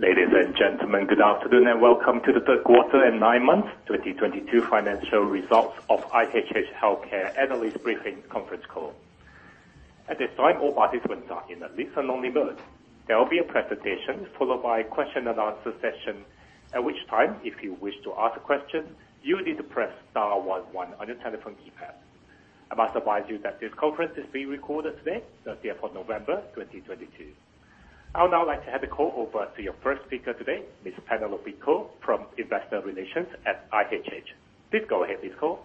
Ladies and gentlemen, good afternoon and welcome to the third quarter and nine months 2022 financial results of IHH Healthcare analyst briefing conference call. At this time, all participants are in a listen-only mode. There will be a presentation followed by question and answer session. At which time, if you wish to ask a question, you need to press star one one on your telephone keypad. I must advise you that this conference is being recorded today, 13th of November, 2022. I would now like to hand the call over to your first speaker today, Ms. Penelope Koh from Investor Relations at IHH. Please go ahead, Ms. Koh.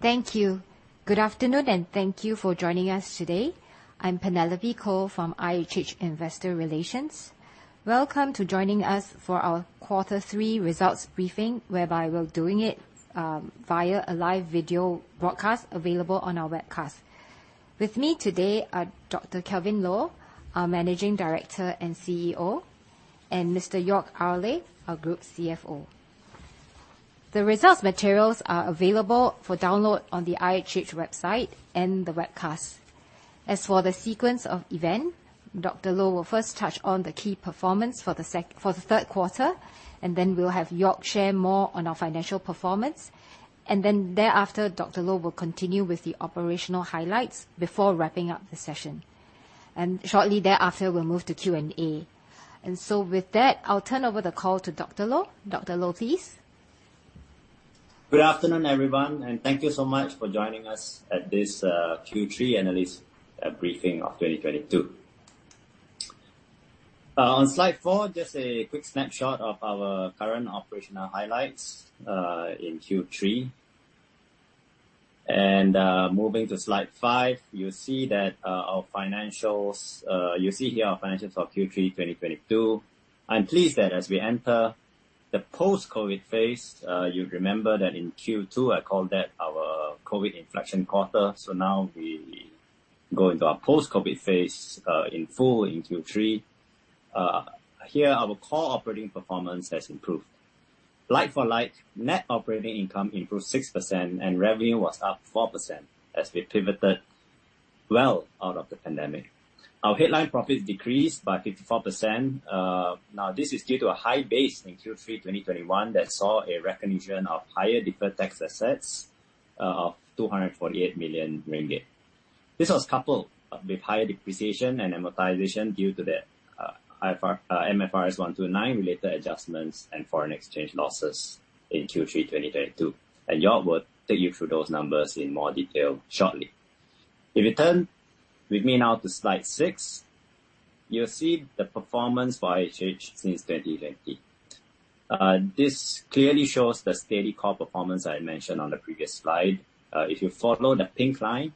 Thank you. Good afternoon, thank you for joining us today. I'm Penelope Koh from IHH Investor Relations. Welcome to joining us for our quarter three results briefing, whereby we're doing it via a live video broadcast available on our webcast. With me today are Dr. Kelvin Loh, our Managing Director and CEO, and Mr. Joerg Ayrle, our Group CFO. The results materials are available for download on the IHH website and the webcast. As for the sequence of event, Dr. Loh will first touch on the key performance for the third quarter. Then we'll have Joerg share more on our financial performance. Thereafter, Dr. Loh will continue with the operational highlights before wrapping up the session. Shortly thereafter, we'll move to Q&A. With that, I'll turn over the call to Dr. Loh. Dr. Loh, please. Good afternoon, everyone, and thank you so much for joining us at this, Q3 analyst, briefing of 2022. On slide four, just a quick snapshot of our current operational highlights, in Q3. Moving to slide five, you see here our financials for Q3 2022. I'm pleased that as we enter the post-COVID phase, you remember that in Q2, I called that our COVID inflection quarter. Now we go into our post-COVID phase, in full in Q3. Here our core operating performance has improved. Like for like, Net Operating Income improved 6% and revenue was up 4% as we pivoted well out of the pandemic. Our headline profits decreased by 54%. This is due to a high base in Q3 2021 that saw a recognition of higher deferred tax assets of 248 million ringgit. This was coupled with higher depreciation and amortization due to the MFRS 129 related adjustments and foreign exchange losses in Q3 2022. Jörg will take you through those numbers in more detail shortly. If you turn with me now to slide six, you'll see the performance for IHH since 2020. This clearly shows the steady core performance I mentioned on the previous slide. If you follow the pink line,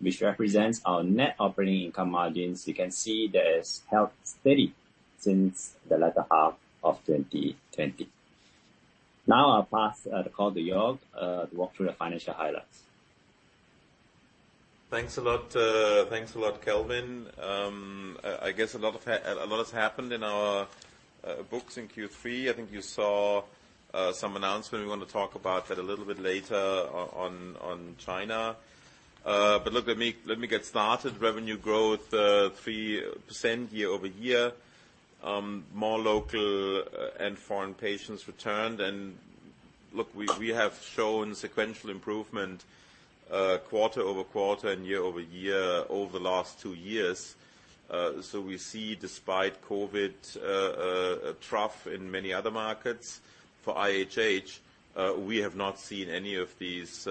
which represents our Net Operating Income margins, you can see that it's held steady since the latter half of 2020. I'll pass the call to Joerg to walk through the financial highlights. Thanks a lot. Thanks a lot, Kelvin. I guess a lot has happened in our books in Q3. I think you saw some announcement. We wanna talk about that a little bit later on China. Look, let me get started. Revenue growth, 3% year-over-year. More local and foreign patients returned. Look, we have shown sequential improvement, quarter-over-quarter and year-over-year over the last two years. We see despite COVID trough in many other markets, for IHH, we have not seen any of these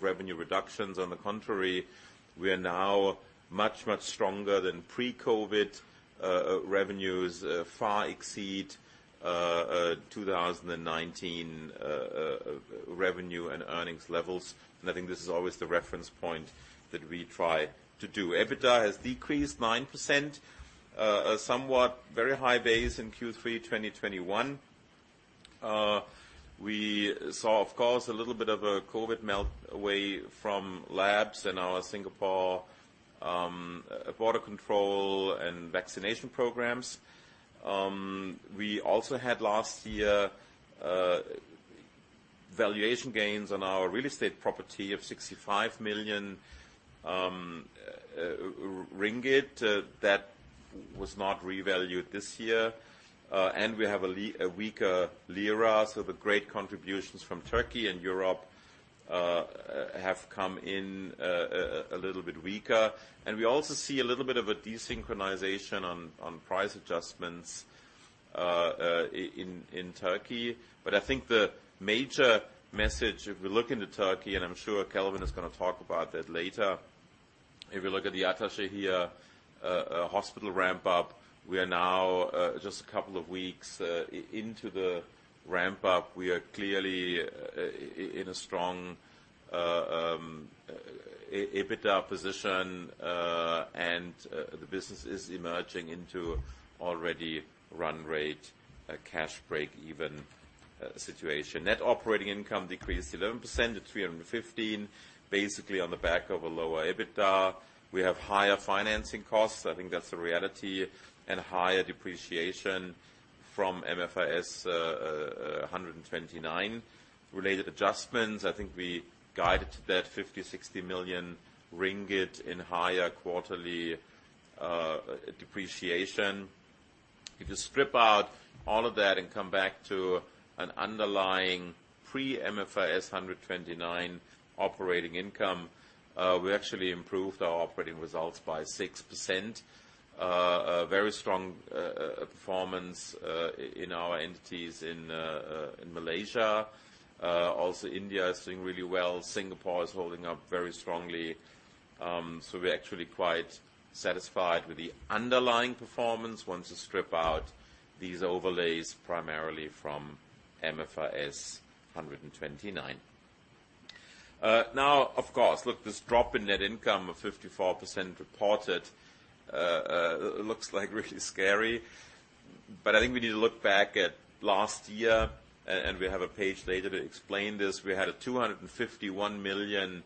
revenue reductions. On the contrary, we are now much stronger than pre-COVID. Revenues far exceed 2019 revenue and earnings levels. I think this is always the reference point that we try to do. EBITDA has decreased 9%. A somewhat very high base in Q3 2021. We saw, of course, a little bit of a COVID melt away from labs in our Singapore border control and vaccination programs. We also had last year valuation gains on our real estate property of 65 million ringgit. That was not revalued this year. We have a weaker lira, so the great contributions from Turkey and Europe have come in a little bit weaker. We also see a little bit of a desynchronization on price adjustments in Turkey. I think the major message, if we look into Turkey, and I'm sure Kelvin is gonna talk about that later. If you look at the Ataşehir hospital ramp up, we are now just a couple of weeks into the ramp up. We are clearly in a strong EBITDA position, and the business is emerging into already run rate, a cash breakeven situation. Net Operating Income decreased 11% to 315 million, basically on the back of a lower EBITDA. We have higher financing costs. I think that's the reality. Higher depreciation from MFRS 129 related adjustments. I think we guided to that 50 million-60 million ringgit in higher quarterly depreciation. If you strip out all of that and come back to an underlying pre-MFRS 129 operating income, we actually improved our operating results by 6%. A very strong performance in our entities in Malaysia. India is doing really well. Singapore is holding up very strongly. We're actually quite satisfied with the underlying performance once you strip out these overlays primarily from MFRS 129. Of course, look, this drop in net income of 54% reported looks like really scary. I think we need to look back at last year, and we have a page later to explain this. We had a 251 million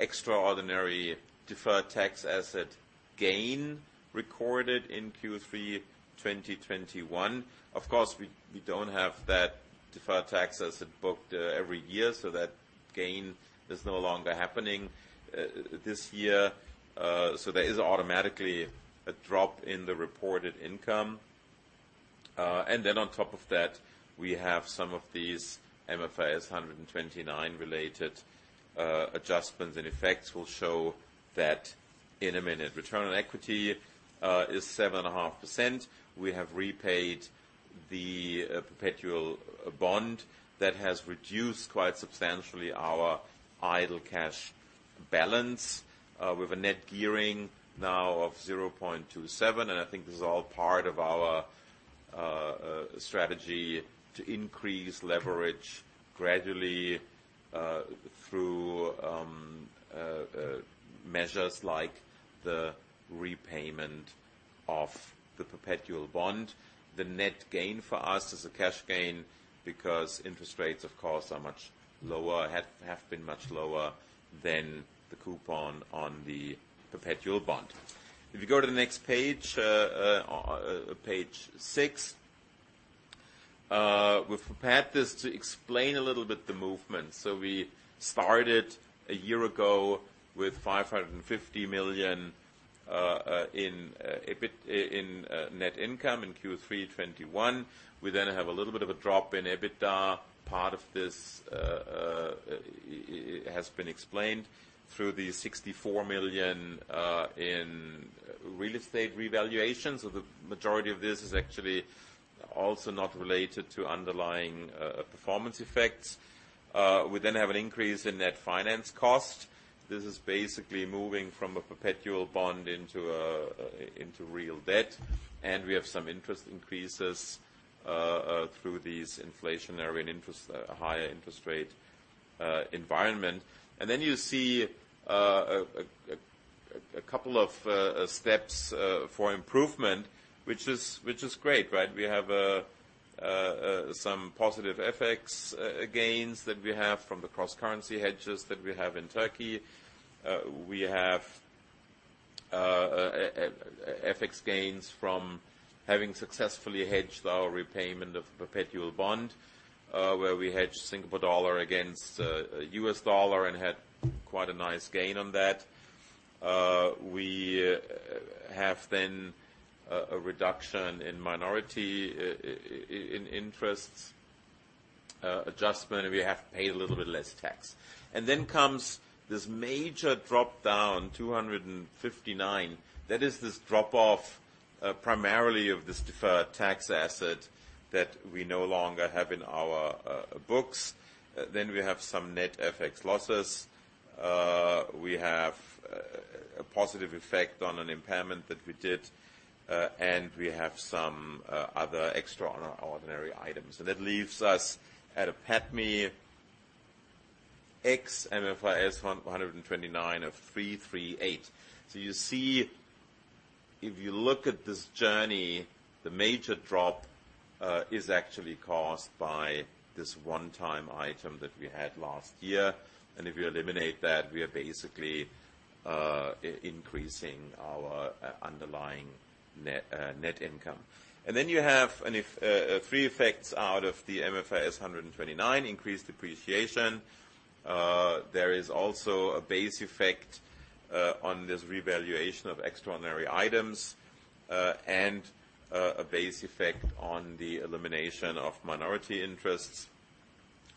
extraordinary deferred tax asset gain recorded in Q3 2021. Of course, we don't have that deferred tax asset booked every year, that gain is no longer happening this year. There is automatically a drop in the reported income. On top of that, we have some of these MFRS 129 related adjustments and effects. We'll show that in a minute. Return on equity is 7.5%. We have repaid the perpetual bond that has reduced quite substantially our idle cash balance. With a net gearing now of 0.27, I think this is all part of our strategy to increase leverage gradually through measures like the repayment of the perpetual bond. The net gain for us is a cash gain because interest rates, of course, are much lower have been much lower than the coupon on the perpetual bond. If you go to the next page 6, we've prepared this to explain a little bit the movement. We started a year ago with 550 million in net income in Q3 2021. We then have a little bit of a drop in EBITDA. Part of this has been explained through the 64 million in real estate revaluation. The majority of this is actually also not related to underlying performance effects. We then have an increase in net finance cost. This is basically moving from a perpetual bond into real debt. We have some interest increases through these inflationary and interest higher interest rate environment. Then you see a couple of steps for improvement, which is, which is great, right? We have some positive FX gains that we have from the cross-currency hedges that we have in Turkey. We have FX gains from having successfully hedged our repayment of perpetual bond, where we hedged Singapore dollar against US dollar and had quite a nice gain on that. We have then a reduction in minority in interests adjustment, and we have paid a little bit less tax. Comes this major drop down, 259. That is this drop-off primarily of this deferred tax asset that we no longer have in our books. We have some net FX losses. We have a positive effect on an impairment that we did, and we have some other extraordinary items. That leaves us at a PATMI ex MFRS 129 of 338. You see, if you look at this journey, the major drop, is actually caused by this one-time item that we had last year. If you eliminate that, we are basically increasing our underlying net net income. You have three effects out of the MFRS 129 increased depreciation. There is also a base effect on this revaluation of extraordinary items, and a base effect on the elimination of minority interests.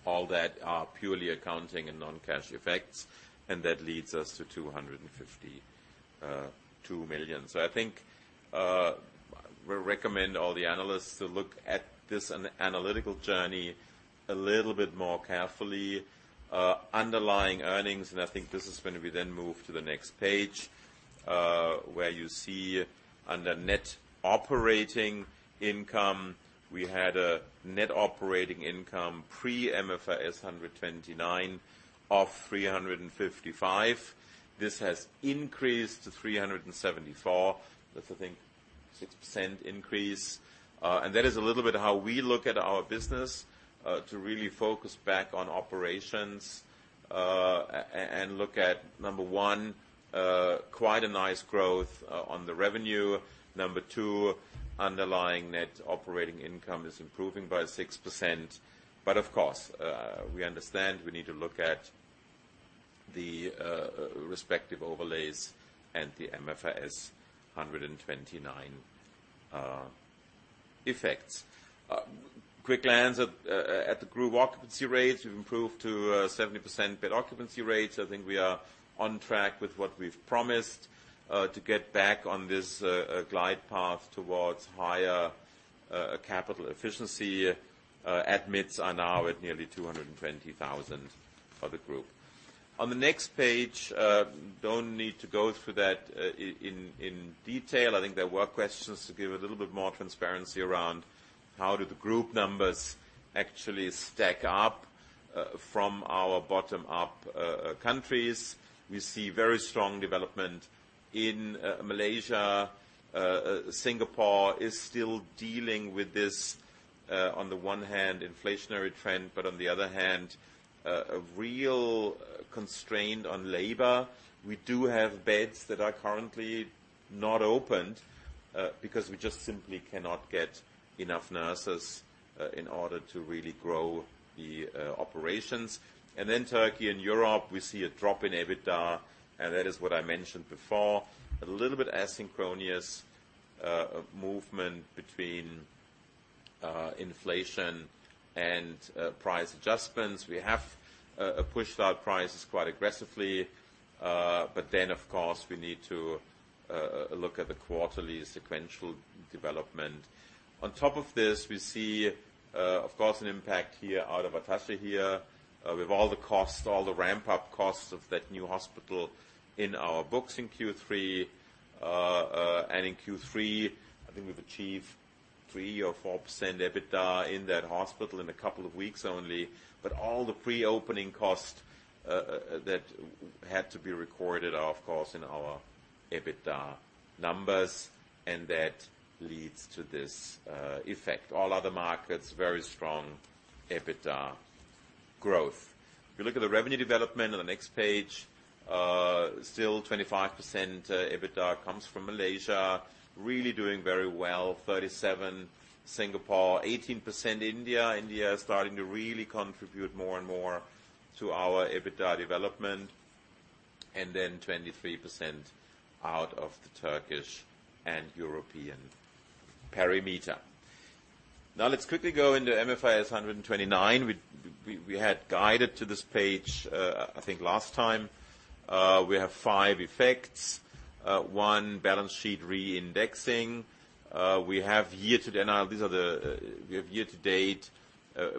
All that are purely accounting and non-cash effects, and that leads us to 252 million. I think, we recommend all the analysts to look at this analytical journey a little bit more carefully. Underlying earnings, I think this is when we then move to the next page, where you see under Net Operating Income. We had a Net Operating Income pre-MFRS 129 of 355. This has increased to 374. That's I think 6% increase. That is a little bit how we look at our business, to really focus back on operations. Look at, number one, quite a nice growth on the revenue. Number two, underlying Net Operating Income is improving by 6%. Of course, we understand we need to look at the respective overlays and the MFRS 129 effects. Quick glance at the group occupancy rates. We've improved to 70% bed occupancy rates. I think we are on track with what we've promised to get back on this glide path towards higher capital efficiency. Admits are now at nearly 220,000 for the group. On the next page, don't need to go through that in detail. I think there were questions to give a little bit more transparency around how do the group numbers actually stack up from our bottom up countries. We see very strong development in Malaysia. Singapore is still dealing with this on the one hand, inflationary trend, but on the other hand, a real constraint on labor. We do have beds that are currently not opened because we just simply cannot get enough nurses in order to really grow the operations. Turkey and Europe, we see a drop in EBITDA, and that is what I mentioned before. A little bit asynchronous movement between inflation and price adjustments. We have pushed our prices quite aggressively, of course, we need to look at the quarterly sequential development. On top of this, we see, of course, an impact here out of Ataşehir. With all the costs, all the ramp-up costs of that new hospital in our books in Q3. In Q3, I think we've achieved 3% or 4% EBITDA in that hospital in a couple of weeks only. All the pre-opening costs that had to be recorded are, of course, in our EBITDA numbers, and that leads to this effect. All other markets, very strong EBITDA growth. If you look at the revenue development on the next page, still 25% EBITDA comes from Malaysia, really doing very well, 37% Singapore, 18% India. India is starting to really contribute more and more to our EBITDA development. 23% out of the Turkish and European perimeter. Let's quickly go into MFRS 129. We had guided to this page, I think last time. We have five effects. One, balance sheet restatement. We have year to date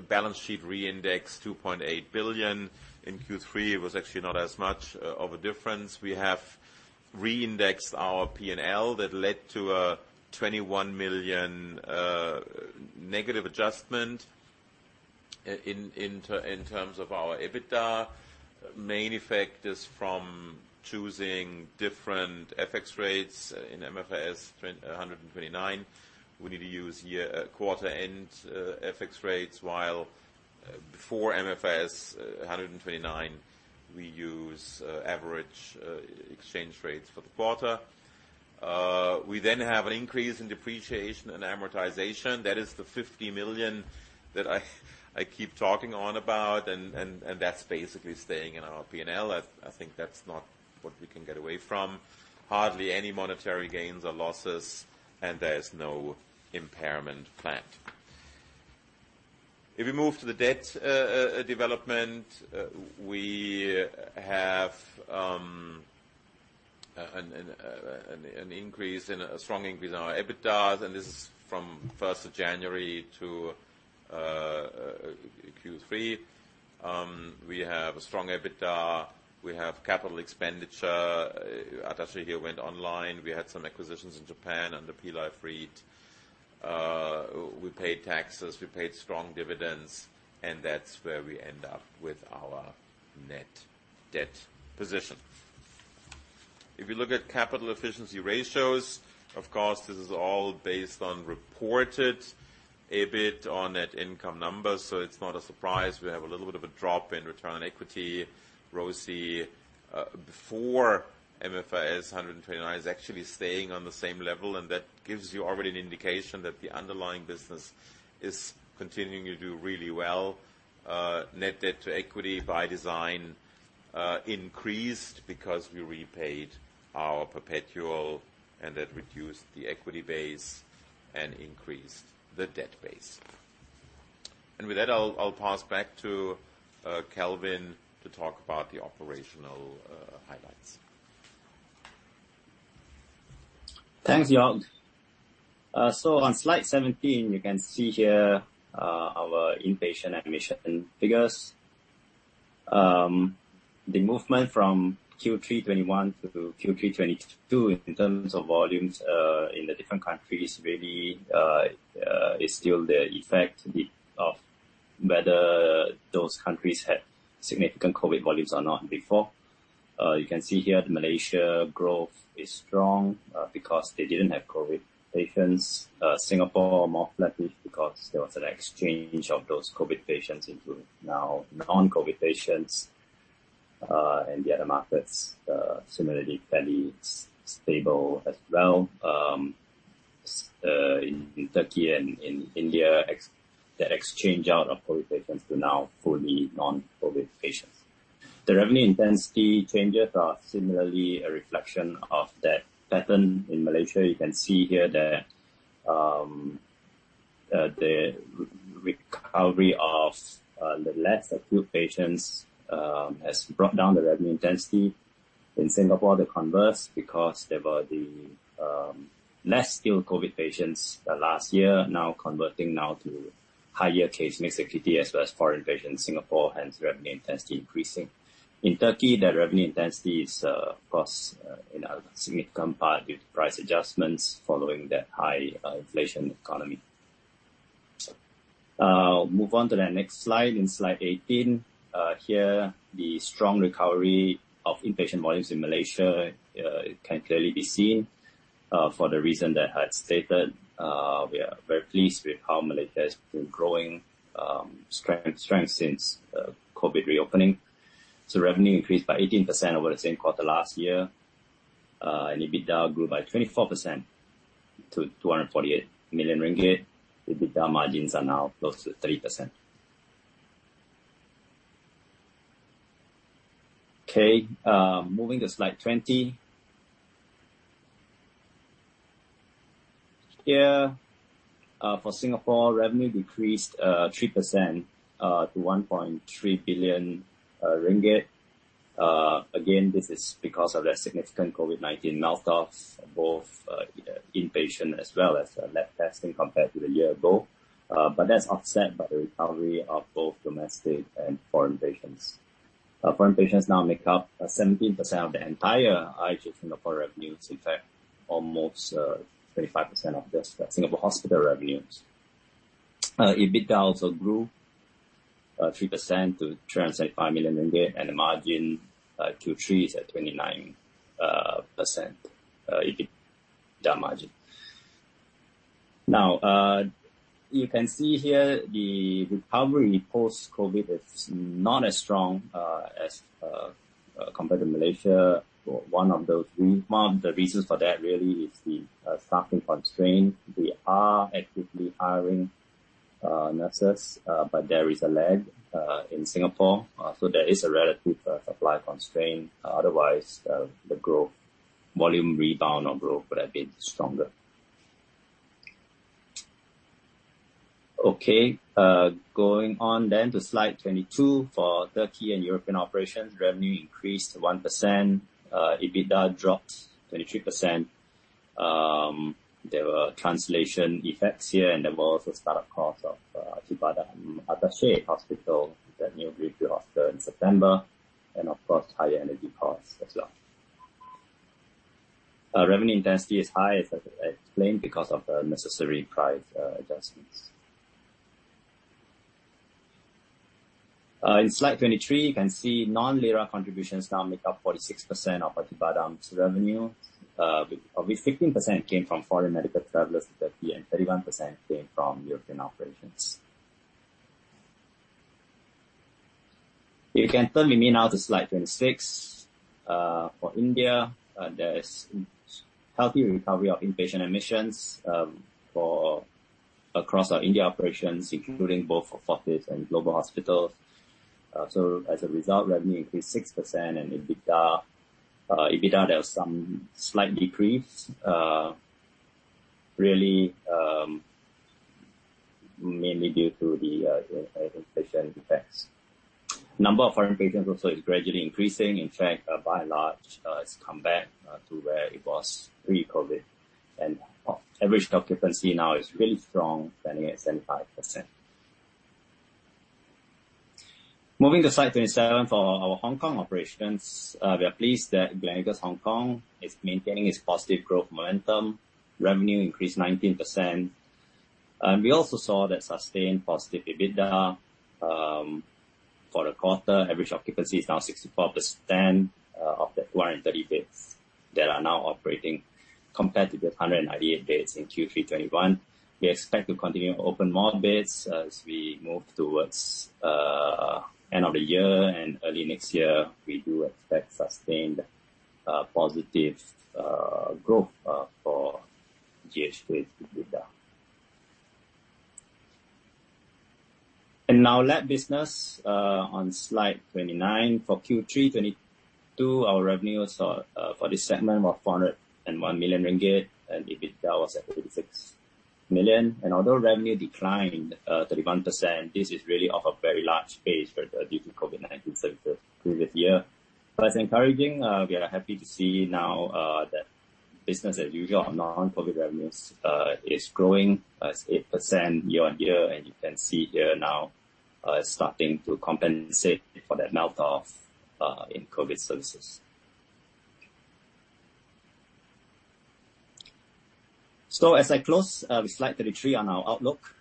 balance sheet reindex 2.8 billion. In Q3, it was actually not as much of a difference. We have reindexed our P&L that led to a 21 million negative adjustment in terms of our EBITDA. Main effect is from choosing different FX rates in MFRS 129. We need to use year, quarter end, FX rates, while before MFRS 129, we use average exchange rates for the quarter. We then have an increase in depreciation and amortization. That is the 50 million that I keep talking on about, and that's basically staying in our P&L. I think that's not what we can get away from. Hardly any monetary gains or losses. There's no impairment planned. If we move to the debt development, we have an increase in. A strong increase in our EBITDAs, and this is from 1st of January to Q3. We have a strong EBITDA. We have capital expenditure. Ataşehir went online. We had some acquisitions in Japan and the PLife REIT. We paid taxes, we paid strong dividends, and that's where we end up with our net debt position. If you look at capital efficiency ratios, of course, this is all based on reported EBIT on net income numbers. It's not a surprise we have a little bit of a drop in return on equity. ROCE, before MFRS 129, is actually staying on the same level, and that gives you already an indication that the underlying business is continuing to do really well. Net debt to equity by design increased because we repaid our perpetual and that reduced the equity base and increased the debt base. With that, I'll pass back to Kelvin to talk about the operational highlights. Thanks, Joerg. On slide 17, you can see here, our inpatient admission figures. The movement from Q3 2021 to Q3 2022 in terms of volumes, in the different countries really, is still the effect ofWhether those countries had significant COVID volumes or not before. You can see here the Malaysia growth is strong, because they didn't have COVID patients. Singapore more flat-ish because there was an exchange of those COVID patients into now non-COVID patients. And the other markets, similarly fairly stable as well. In Turkey and in India, that exchange out of COVID patients to now fully non-COVID patients. The revenue intensity changes are similarly a reflection of that pattern. In Malaysia, you can see here that the recovery of the less acute patients has brought down the revenue intensity. In Singapore, the converse, because there were the less ill COVID patients the last year now converting now to higher case mix acuity as well as foreign patients in Singapore, hence revenue intensity increasing. In Turkey, that revenue intensity is, of course, in a significant part due to price adjustments following that high inflation economy. Move on to the next slide, in slide 18. Here, the strong recovery of inpatient volumes in Malaysia can clearly be seen. For the reason that I had stated, we are very pleased with how Malaysia has been growing strength since COVID reopening. Revenue increased by 18% over the same quarter last year. EBITDA grew by 24% to 248 million ringgit. The EBITDA margins are now close to 3%. Moving to slide 20. Here, for Singapore, revenue decreased 3% to 1.3 billion ringgit. Again, this is because of that significant COVID-19 melt off, both inpatient as well as lab testing compared to the year ago. That's offset by the recovery of both domestic and foreign patients. Foreign patients now make up 17% of the entire IHH Singapore revenues. In fact, almost 25% of the Singapore hospital revenues. EBITDA also grew 3% to 375 million ringgit, and the margin Q3 is at 29% EBITDA margin. You can see here the recovery post-COVID is not as strong as compared to Malaysia. One of the reasons for that really is the staffing constraint. We are actively hiring nurses, but there is a lag in Singapore, so there is a relative supply constraint. Otherwise, the growth volume rebound or growth would have been stronger. Going on to slide 22. For Turkey and European operations, revenue increased 1%. EBITDA dropped 23%. There were translation effects here, and there were also start-up costs of Acibadem Ataşehir Hospital, the new Greenview Hospital in September, and of course, higher energy costs as well. Revenue intensity is high, as I explained, because of the necessary price adjustments. In slide 23, you can see non-lira contributions now make up 46% of Acibadem's revenue. With almost 15% came from foreign medical travelers to Turkey and 31% came from European operations. You can turn with me now to slide 26. For India, there's healthy recovery of inpatient admissions for across our India operations, including both Fortis and Global Hospitals. As a result, revenue increased 6% and EBITDA, there was some slight decrease, really mainly due to the inflation effects. Number of foreign patients also is gradually increasing. In fact, by and large, it's come back to where it was pre-COVID. Average occupancy now is really strong, standing at 75%. Moving to slide 27 for our Hong Kong operations. We are pleased that Gleneagles Hong Kong is maintaining its positive growth momentum. Revenue increased 19%. We also saw that sustained positive EBITDA for the quarter. Average occupancy is now 64% of the 230 beds that are now operating compared to the 198 beds in Q3 2021. We expect to continue to open more beds as we move towards end of the year and early next year. We do expect sustained positive growth for GHK's EBITDA. Now lab business on slide 29. For Q3 2022, our revenue for this segment was 401 million ringgit, and EBITDA was at 36 million. Although revenue declined 31%, this is really off a very large base due to COVID-19 services through this year. It's encouraging, we are happy to see now that business as usual or non-COVID revenues is growing at 8% year on year. You can see here now starting to compensate for that melt off in COVID services. As I close with slide 33 on our outlook,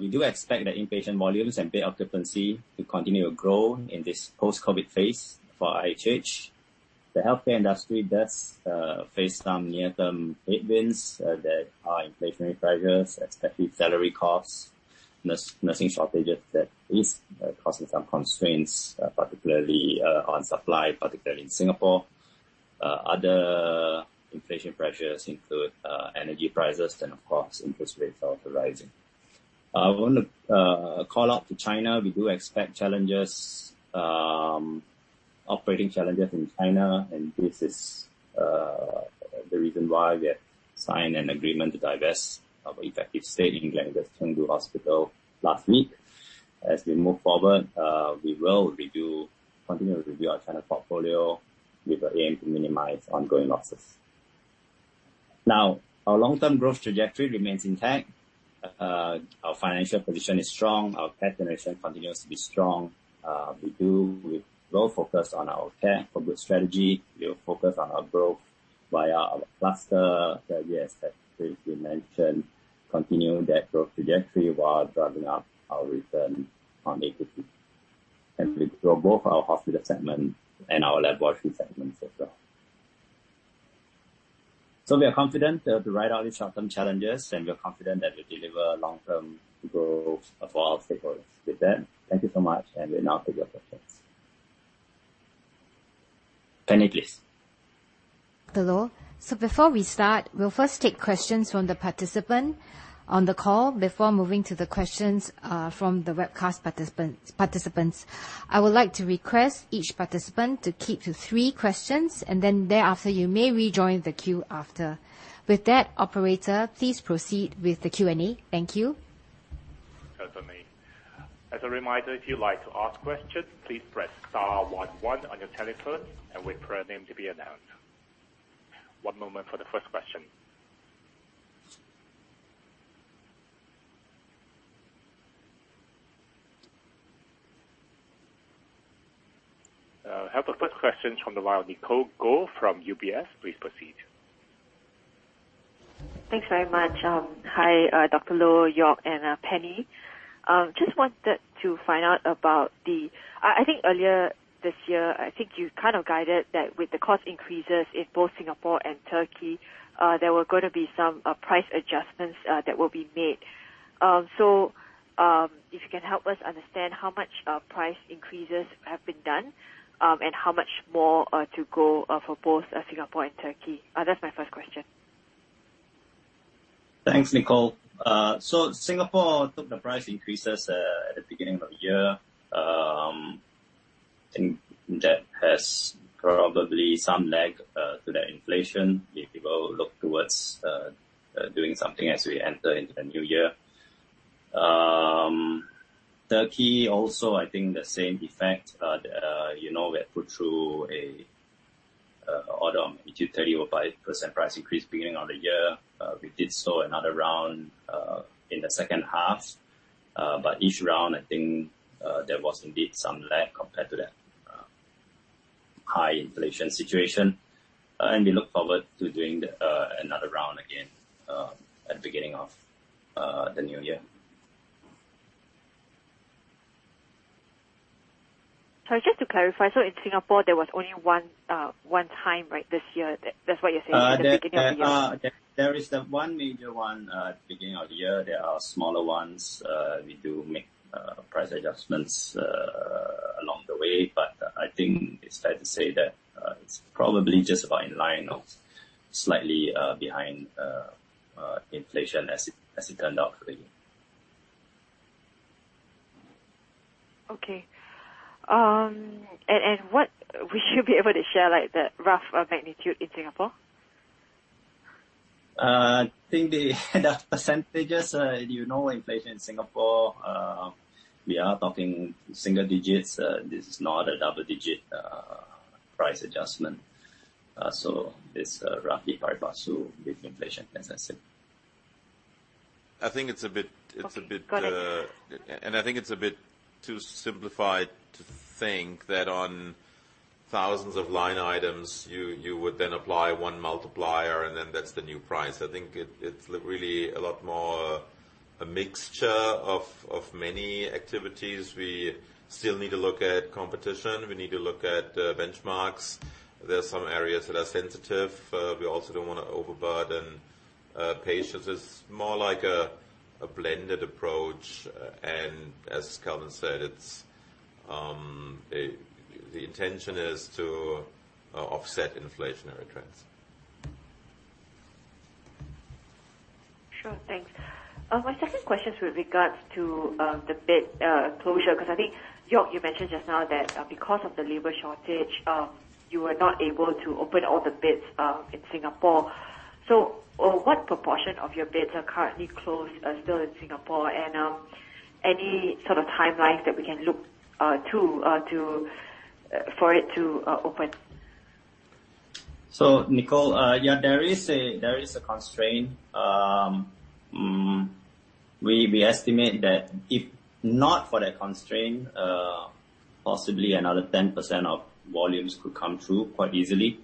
we do expect that inpatient volumes and bed occupancy to continue to grow in this post-COVID phase for IHH. The healthcare industry does face some near-term headwinds that are inflationary pressures, especially salary costs, nursing shortages that is causing some constraints particularly on supply, particularly in Singapore. Other inflation pressures include energy prices and of course interest rates are rising. I wanna call out to China, we do expect challenges, operating challenges in China. This is the reason why we have signed an agreement to divest our effective stake in Gleneagles Chengdu Hospital last week. As we move forward, we will continue to review our China portfolio with the aim to minimize ongoing losses. Now, our long-term growth trajectory remains intact. Our financial position is strong. Our cash generation continues to be strong. We're well-focused on our Care. For Good. strategy. We are focused on our growth via our cluster strategies that Grace had mentioned, continuing that growth trajectory while driving up our return on equity. For both our hospital segment and our laboratory segments as well. We are confident to ride out these short-term challenges, and we are confident that we'll deliver long-term growth for our stakeholders. With that, thank you so much. We'll now take your questions. Penny, please. Hello. Before we start, we'll first take questions from the participant on the call before moving to the questions, from the webcast participants. I would like to request each participant to keep to three questions, and then thereafter you may rejoin the queue after. With that, operator, please proceed with the Q&A. Thank you. Certainly. As a reminder, if you'd like to ask questions, please press star one one on your telephone and wait for your name to be announced. One moment for the first question. Have the first question from the line, Nicole Goh from UBS. Please proceed. Thanks very much. Hi, Dr. Loh, Joerg, and Penny. Just wanted to find out about I think earlier this year, I think you kind of guided that with the cost increases in both Singapore and Turkey, there were gonna be some price adjustments that will be made. If you can help us understand how much price increases have been done, and how much more to go for both Singapore and Turkey. That's my first question. Thanks, Nicole. Singapore took the price increases at the beginning of the year. That has probably some lag to that inflation. If people look towards doing something as we enter into the new year. Turkey also, I think the same effect, you know, we had put through a order of 35% price increase beginning of the year. We did so another round in the second half. Each round I think, there was indeed some lag compared to that high inflation situation. We look forward to doing the another round again at the beginning of the new year. Just to clarify, so in Singapore, there was only one time, right, this year? That's what you're saying, at the beginning of the year. There is the one major one at the beginning of the year. There are smaller ones. We do make price adjustments along the way, but I think it's fair to say that it's probably just about in line or slightly behind inflation as it turned out for the year. Okay. Would you be able to share like the rough magnitude in Singapore? I think the percentages, you know, inflation in Singapore, we are talking single digits. This is not a double-digit price adjustment. It's roughly pari passu with inflation, as I said. I think it's a bit. Okay, got it. I think it's a bit too simplified to think that on thousands of line items, you would then apply one multiplier and then that's the new price. I think it's really a lot more a mixture of many activities. We still need to look at competition. We need to look at benchmarks. There are some areas that are sensitive. We also don't wanna overburden patients. It's more like a blended approach. As Kelvin said, The intention is to offset inflationary trends. Sure. Thanks. My second question with regards to the bed closure, 'cause I think, Joerg, you mentioned just now that because of the labor shortage, you were not able to open all the beds in Singapore. What proportion of your beds are currently closed still in Singapore? Any sort of timeline that we can look to for it to open? Nicole, yeah, there is a constraint. We estimate that if not for that constraint, possibly another 10% of volumes could come through quite easily.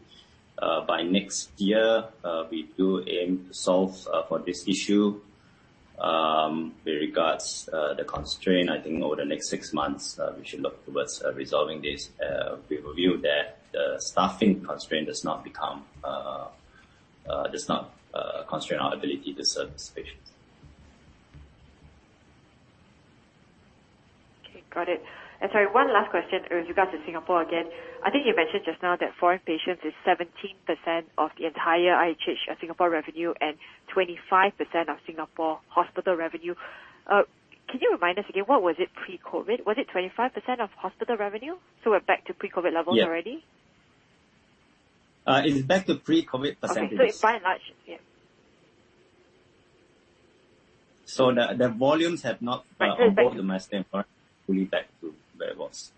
By next year, we do aim to solve for this issue. With regards the constraint, I think over the next six months, we should look towards resolving this. We review that the staffing constraint does not become, does not constrain our ability to serve these patients. Okay. Got it. Sorry, one last question with regards to Singapore again. I think you mentioned just now that foreign patients is 17% of the entire IHH Singapore revenue and 25% of Singapore hospital revenue. Can you remind us again, what was it pre-COVID? Was it 25% of hospital revenue? We're back to pre-COVID levels already? Yeah. It's back to pre-COVID %. Okay. It's by and large, yeah. The volumes have. compared fully back to where it was.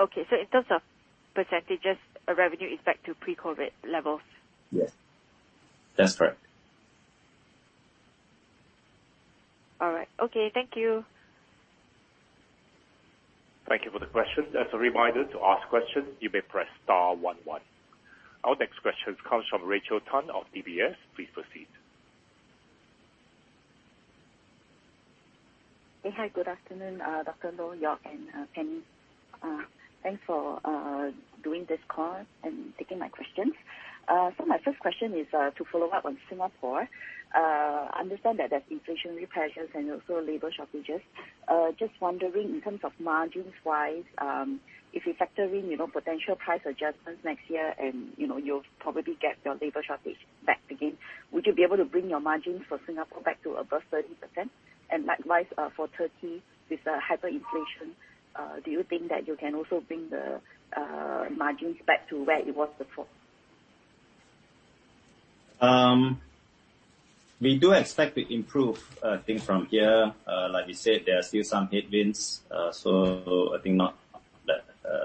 Okay. In terms of percentage, revenue is back to pre-COVID levels? Yes. That's correct. All right. Okay. Thank you. Thank you for the question. As a reminder to ask question, you may press star one one. Our next question comes from Rachel Tan of DBS. Please proceed. Hey. Hi, good afternoon, Dr. Loh, Joerg, and Penny. Thanks for doing this call and taking my questions. My first question is to follow up on Singapore. I understand that there's inflationary pressures and also labor shortages. Just wondering in terms of margins-wise, if you're factoring, you know, potential price adjustments next year and, you know, you'll probably get your labor shortage back again. Would you be able to bring your margins for Singapore back to above 30%? Likewise, for Turkey with the hyperinflation, do you think that you can also bring the margins back to where it was before? We do expect to improve things from here. Like we said, there are still some headwinds. I think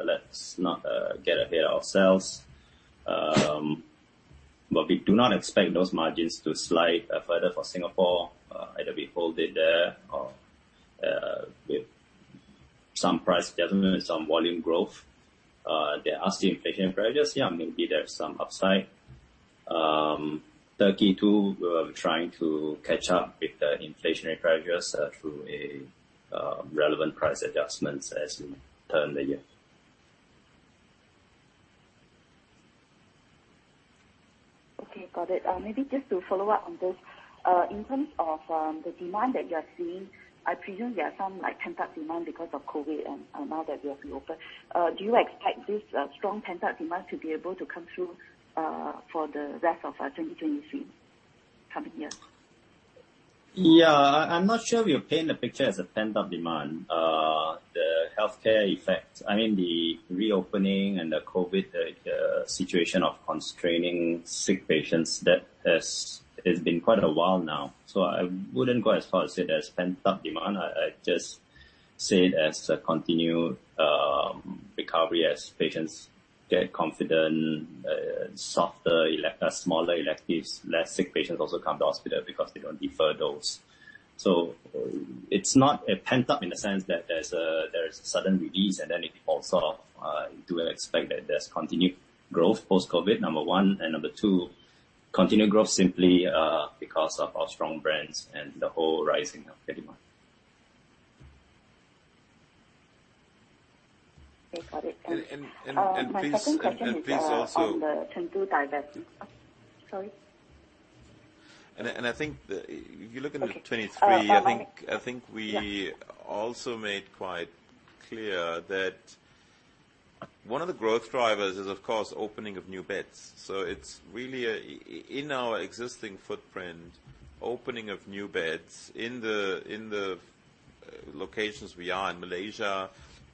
let's not get ahead of ourselves. We do not expect those margins to slide further for Singapore. Either we hold it there or with some price adjustments, some volume growth. There are still inflationary pressures. Maybe there's some upside. Turkey too, we are trying to catch up with the inflationary pressures through a relevant price adjustments as we turn the year. Okay. Got it. maybe just to follow up on this. In terms of, the demand that you're seeing, I presume there are some, like, pent-up demand because of COVID and now that we have reopened. Do you expect this, strong pent-up demand to be able to come through, for the rest of, 2023 coming year? Yeah. I'm not sure if you're painting the picture as a pent-up demand. The healthcare effect... I mean, the reopening and the COVID situation of constraining sick patients, that has been quite a while now. I wouldn't go as far as say there's pent-up demand. I just see it as a continued recovery as patients get confident, softer smaller electives, less sick patients also come to hospital because they don't defer those. It's not a pent-up in the sense that there's a sudden release and then it falls off. We do expect that there's continued growth post-COVID, number one. Number two, continued growth simply because of our strong brands and the whole rising of demand. Okay. Got it. And, and, and please- My second question is. please also- On the 2023 targets. Sorry. If you look into 2023. Okay. My bad. I think. Yeah... also made quite clear that one of the growth drivers is, of course, opening of new beds. It's really in our existing footprint, opening of new beds in the locations we are in Malaysia,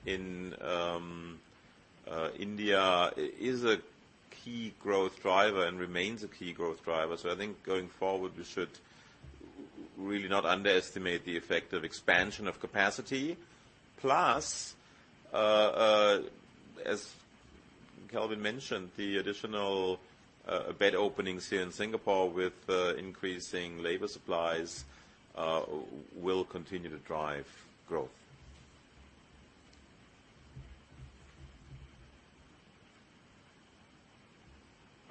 in India, is a key growth driver and remains a key growth driver. I think going forward, we should really not underestimate the effect of expansion of capacity. Plus, as Kelvin mentioned, the additional bed openings here in Singapore with increasing labor supplies will continue to drive growth.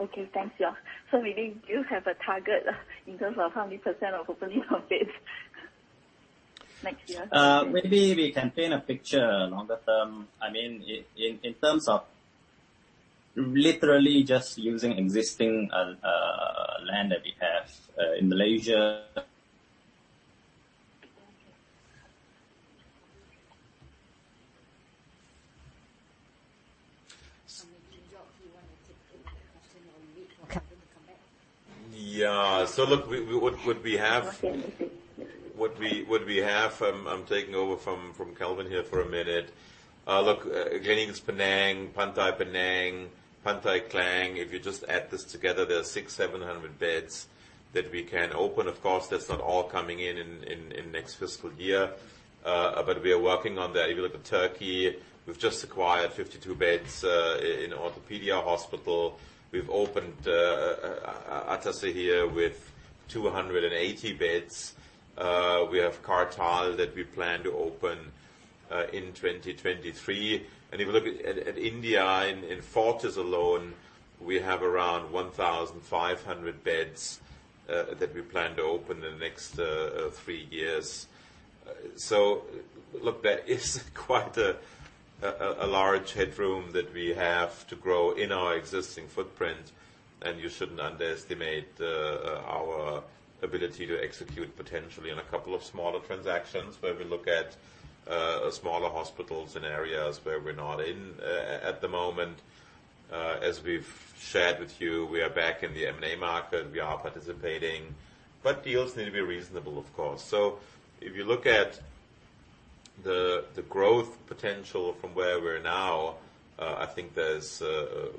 Okay. Thanks, Joerg. Maybe do you have a target in terms of how many percent of opening of beds next year? Maybe we can paint a picture longer term. I mean, in terms of literally just using existing land that we have in Malaysia. Joerg, do you wanna take the next question or you wait for Kelvin to come back? Yeah. look, we, what we have. Okay. What we have, I'm taking over from Kelvin here for a minute. Look, Gleneagles Penang, Pantai Penang, Pantai Klang, if you just add this together, there are 600-700 beds that we can open. Of course, that's not all coming in next fiscal year. We are working on that. If you look at Turkey, we've just acquired 52 beds in Ortopedia Hospital. We've opened Ataşehir with 280 beds. We have Kartal that we plan to open in 2023. If you look at India, in Fortis alone, we have around 1,500 beds that we plan to open in the next three years. Look, there is quite a large headroom that we have to grow in our existing footprint, and you shouldn't underestimate, our ability to execute potentially in a couple of smaller transactions. Where we look at, smaller hospitals in areas where we're not in at the moment. As we've shared with you, we are back in the M&A market. We are participating. Deals need to be reasonable, of course. If you look at the growth potential from where we're now, I think there's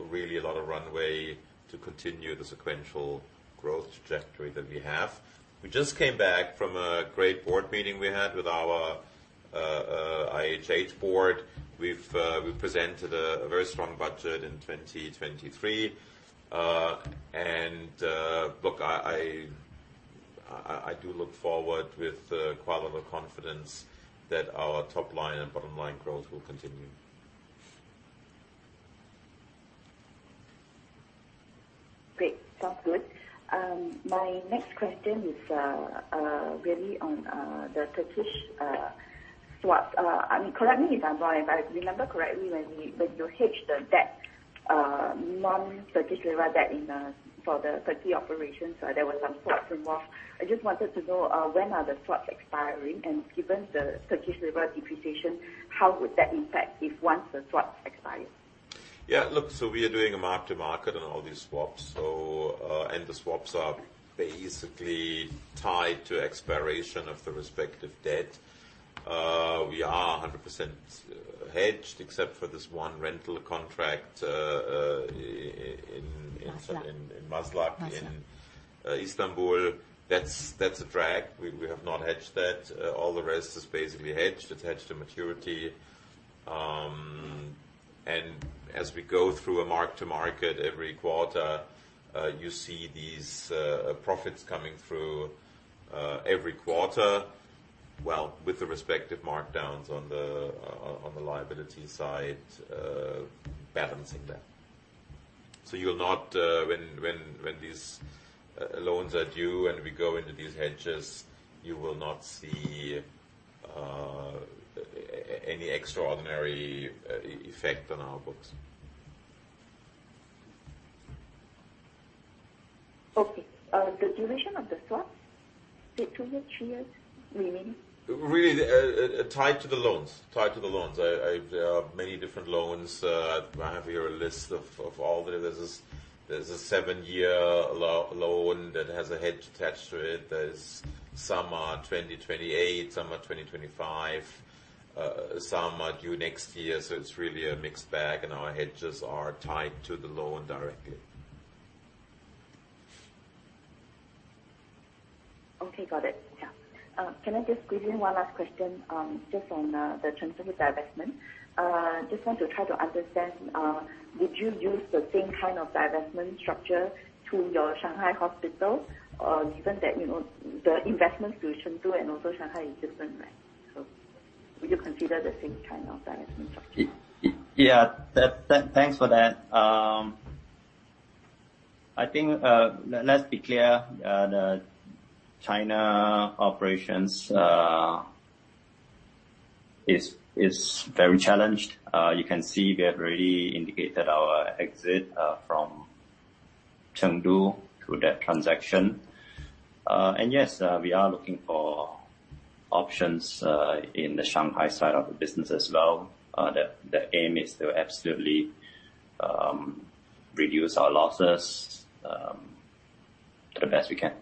really a lot of runway to continue the sequential growth trajectory that we have. We just came back from a great board meeting we had with our IHH board. We've, we presented a very strong budget in 2023. Look, I, I do look forward with quite a lot of confidence that our top line and bottom line growth will continue. Great. Sounds good. My next question is, really on, the Turkish swaps. I mean, correct me if I'm wrong. If I remember correctly, when you hedged the debt, non-Turkish lira debt For the Turkey operations, there were some swaps involved. I just wanted to know, when are the swaps expiring? Given the Turkish lira depreciation, how would that impact if once the swaps expire? Look, we are doing a mark-to-market on all these swaps. The swaps are basically tied to expiration of the respective debt. We are 100% hedged, except for this one rental contract, Maslak in Maslak. Maslak ...in Istanbul. That's a drag. We have not hedged that. All the rest is basically hedged. It's hedged to maturity. As we go through a mark-to-market every quarter, you see these profits coming through every quarter. Well, with the respective markdowns on the on the liability side, balancing that. You'll not... When these loans are due and we go into these hedges, you will not see any extraordinary effect on our books. The duration of the swaps, to which year is remaining? Really, tied to the loans. Tied to the loans. I. There are many different loans. I have here a list of all the. There's this, there's a seven-year loan that has a hedge attached to it. There's some are 2028, some are 2025, some are due next year. It's really a mixed bag, and our hedges are tied to the loan directly. Okay. Got it. Yeah. Can I just squeeze in one last question, just on the Chinese divestment? Just want to try to understand, would you use the same kind of divestment structure to your Shanghai hospital? Given that, you know, the investments to Chengdu and also Shanghai is different, right, would you consider the same kind of divestment structure? Yeah. Thanks for that. I think let's be clear, the China operations is very challenged. You can see we have already indicated our exit from Chengdu through that transaction. Yes, we are looking for options in the Shanghai side of the business as well. The aim is to absolutely reduce our losses the best we can.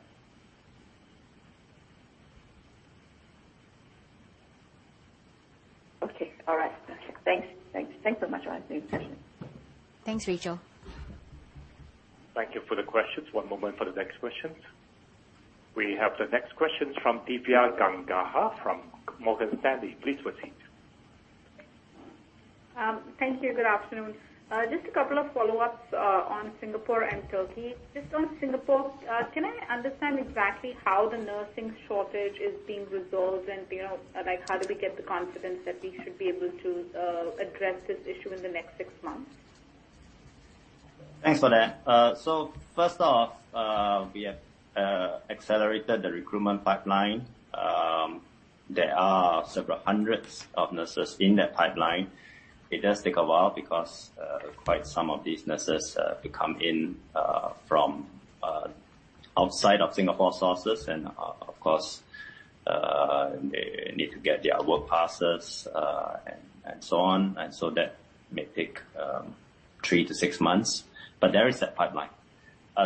Okay. All right. Okay. Thanks. Thanks. Thanks so much, Kelvin. Thanks, Rachel. Thank you for the questions. One moment for the next questions. We have the next questions from Divya Gangahar from Morgan Stanley. Please proceed. Thank you. Good afternoon. Just a couple of follow-ups on Singapore and Turkey. Just on Singapore, can I understand exactly how the nursing shortage is being resolved? You know, like, how do we get the confidence that we should be able to address this issue in the next six months? Thanks for that. First off, we have accelerated the recruitment pipeline. There are several hundreds of nurses in that pipeline. It does take a while because quite some of these nurses who come in from outside of Singapore sources and of course, they need to get their work passes and so on. That may take 3-6 months, but there is that pipeline.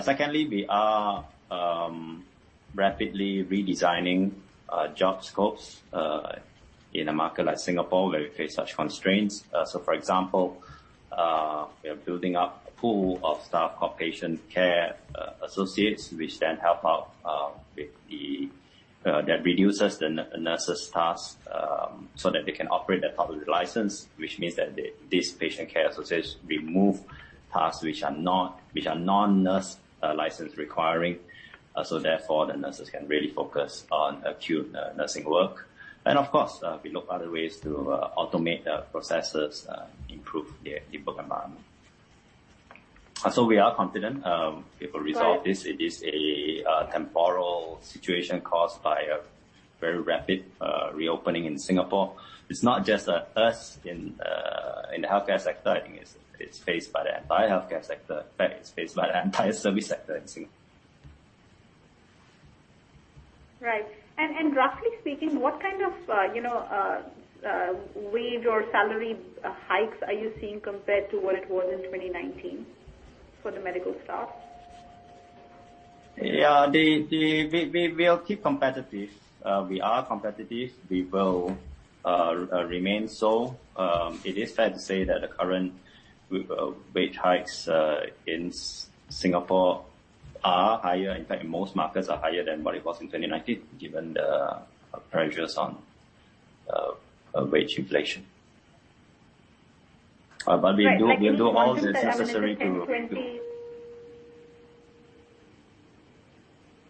Secondly, we are rapidly redesigning job scopes in a market like Singapore where we face such constraints. For example, we are building up a pool of staff called patient care associates, which then help out. That reduces the nurse's tasks so that they can operate at top of their license. Which means that this patient care associates remove tasks which are not, which are non-nurse, license requiring. Therefore, the nurses can really focus on acute nursing work. Of course, we look for other ways to automate the processes, improve their workload environment. We are confident, we will resolve this. Right. It is a temporal situation caused by a very rapid reopening in Singapore. It's not just us in the healthcare sector. I think it's faced by the entire healthcare sector. In fact, it's faced by the entire service sector in Singapore. Right. roughly speaking, what kind of, you know, wage or salary hikes are you seeing compared to what it was in 2019 for the medical staff? Yeah. We are competitive. We are competitive. We will remain so. It is fair to say that the current wage hikes in Singapore are higher. In fact, most markets are higher than what it was in 2019, given the pressures on wage inflation. Right. I mean, is it like twenty-. We do all that's necessary to.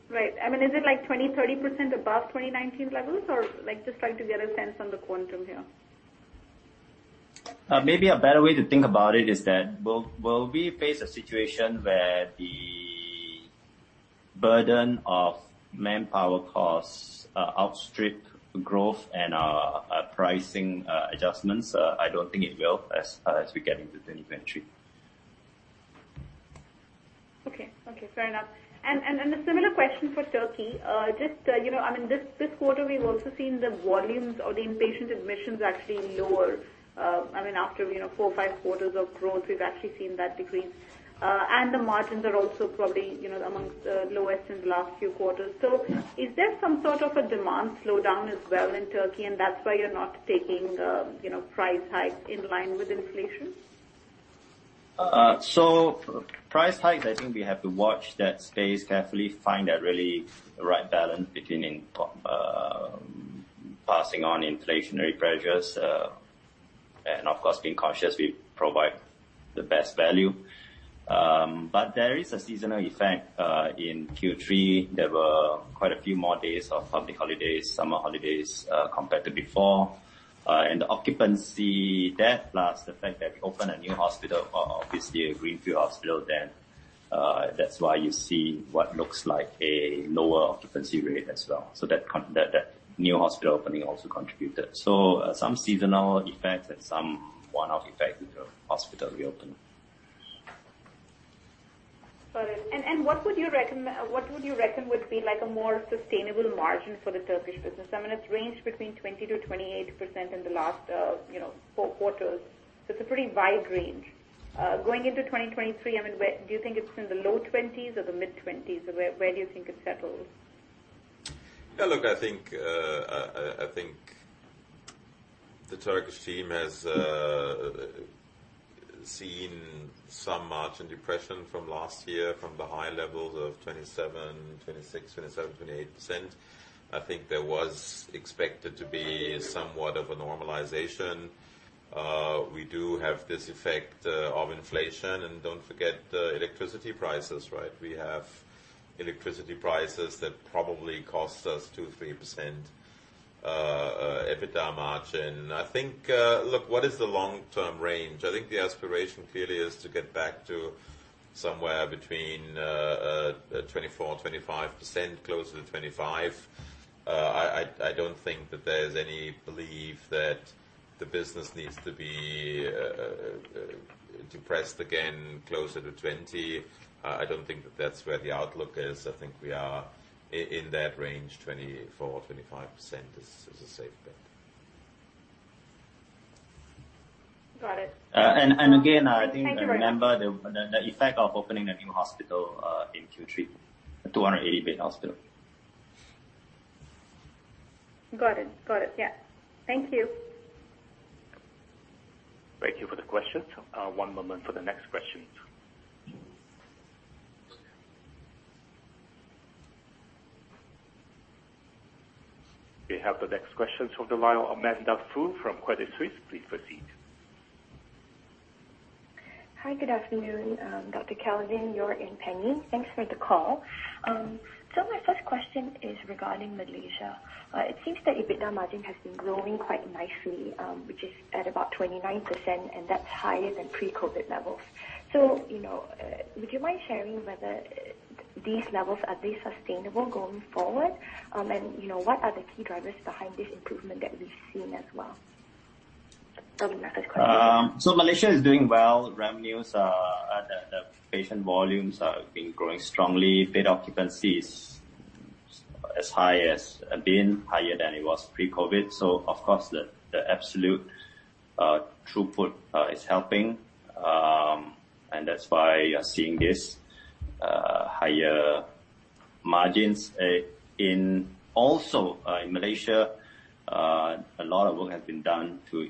Right. I mean, is it like 20, 30% above 2019 levels? Like, just trying to get a sense on the quantum here. Maybe a better way to think about it is that will we face a situation where the burden of manpower costs, outstrip growth and our pricing, adjustments? I don't think it will as we get into 2023. Okay. Fair enough. A similar question for Turkey. just, you know, I mean, this quarter we've also seen the volumes or the inpatient admissions actually lower. I mean, after, you know, four, five quarters of growth, we've actually seen that decrease. The margins are also probably, you know, amongst the lowest in the last few quarters. Is there some sort of a demand slowdown as well in Turkey, and that's why you're not taking, you know, price hikes in line with inflation? Price hikes, I think we have to watch that space carefully. Find that really right balance between in passing on inflationary pressures, and of course, being conscious we provide the best value. There is a seasonal effect in Q3. There were quite a few more days of public holidays, summer holidays, compared to before. The occupancy, that plus the fact that we opened a new hospital, obviously a greenfield hospital, that's why you see what looks like a lower occupancy rate as well. That new hospital opening also contributed. Some seasonal effects and some one-off effect with the hospital reopening. Got it. What would you reckon would be like a more sustainable margin for the Turkish business? I mean, it's ranged between 20%-28% in the last, you know, four quarters. It's a pretty wide range. Going into 2023, I mean, do you think it's in the low 20s or the mid-20s? Where do you think it settles? Yeah, look, I think, I think the Turkish team has seen some margin depression from last year, from the high levels of 27%, 26%, 27%, 28%. I think there was expected to be somewhat of a normalization. We do have this effect of inflation. Don't forget the electricity prices, right? We have electricity prices that probably cost us 2%, 3% EBITDA margin. I think, Look, what is the long-term range? I think the aspiration clearly is to get back to somewhere between 24% and 25%, closer to 25. I, I don't think that there's any belief that the business needs to be depressed again closer to 20. I don't think that that's where the outlook is. I think we are in that range. 24% or 25% is a safe bet. Got it. Again, I think the effect of opening a new hospital in Q3. A 280-bed hospital. Got it. Got it. Yeah. Thank you. Thank you for the question. One moment for the next question. We have the next question from the line of Amanda Foo from Credit Suisse. Please proceed. Hi, good afternoon. Dr. Kelvin, Joerg and Penny, thanks for the call. My first question is regarding Malaysia. It seems that EBITDA margin has been growing quite nicely, which is at about 29%, and that's higher than pre-COVID levels. You know, would you mind sharing whether these levels, are they sustainable going forward? You know, what are the key drivers behind this improvement that we've seen as well? The first question. Malaysia is doing well. Revenues are. The patient volumes are, been growing strongly. Bed occupancy is as high as it's been, higher than it was pre-COVID. Of course, the absolute throughput is helping. That's why you're seeing this higher margins in. Also, in Malaysia, a lot of work has been done to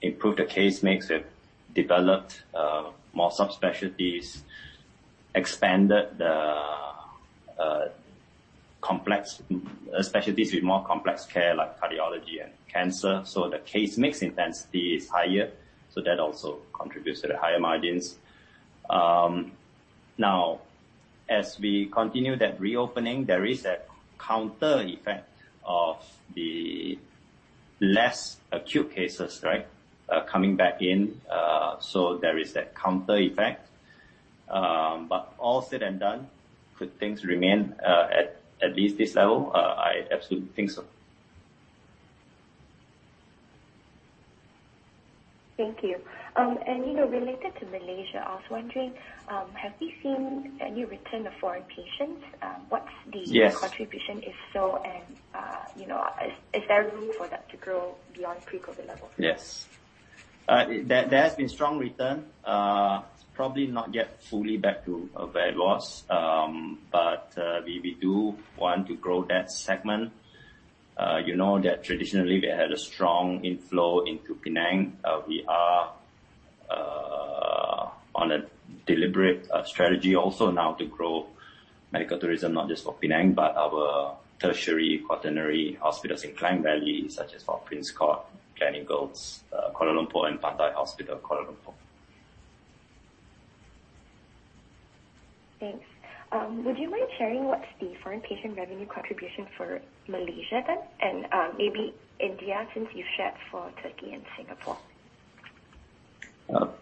improve the case mix. They've developed more sub-specialties, expanded the complex specialties with more complex care like cardiology and cancer. The case mix intensity is higher. That also contributes to the higher margins. Now, as we continue that reopening, there is a counter effect of the less acute cases, right, coming back in. There is that counter effect. All said and done, could things remain at least this level, I absolutely think so. Thank you. You know, related to Malaysia, I was wondering, have you seen any return of foreign patients? Yes. ....contribution, if so, and, you know, is there room for that to grow beyond pre-COVID levels? Yes. There has been strong return. It's probably not yet fully back to where it was. But we do want to grow that segment. You know that traditionally they had a strong inflow into Penang. We are on a deliberate strategy also now to grow medical tourism, not just for Penang but our tertiary, quaternary hospitals in Klang Valley, such as for Prince Court, Gleneagles Kuala Lumpur, and Pantai Hospital Kuala Lumpur. Thanks. Would you mind sharing what's the foreign patient revenue contribution for Malaysia then, and, maybe India since you've shared for Turkey and Singapore?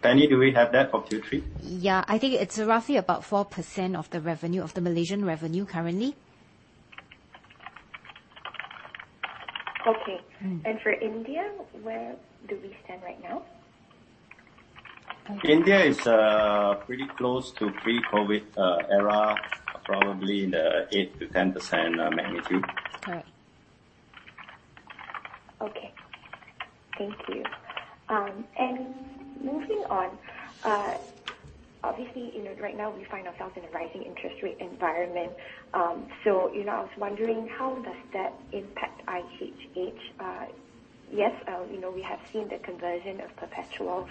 Penny, do we have that for Q3? Yeah. I think it's roughly about 4% of the revenue, of the Malaysian revenue currently. Okay. Mm-hmm. And for India, where do we stand right now? India is, pretty close to pre-COVID, era, probably in the 8%-10% magnitude. Right. Okay. Thank you. Moving on, obviously, you know, right now we find ourselves in a rising interest rate environment. You know, I was wondering how does that impact IHH? Yes, you know, we have seen the conversion of perpetuals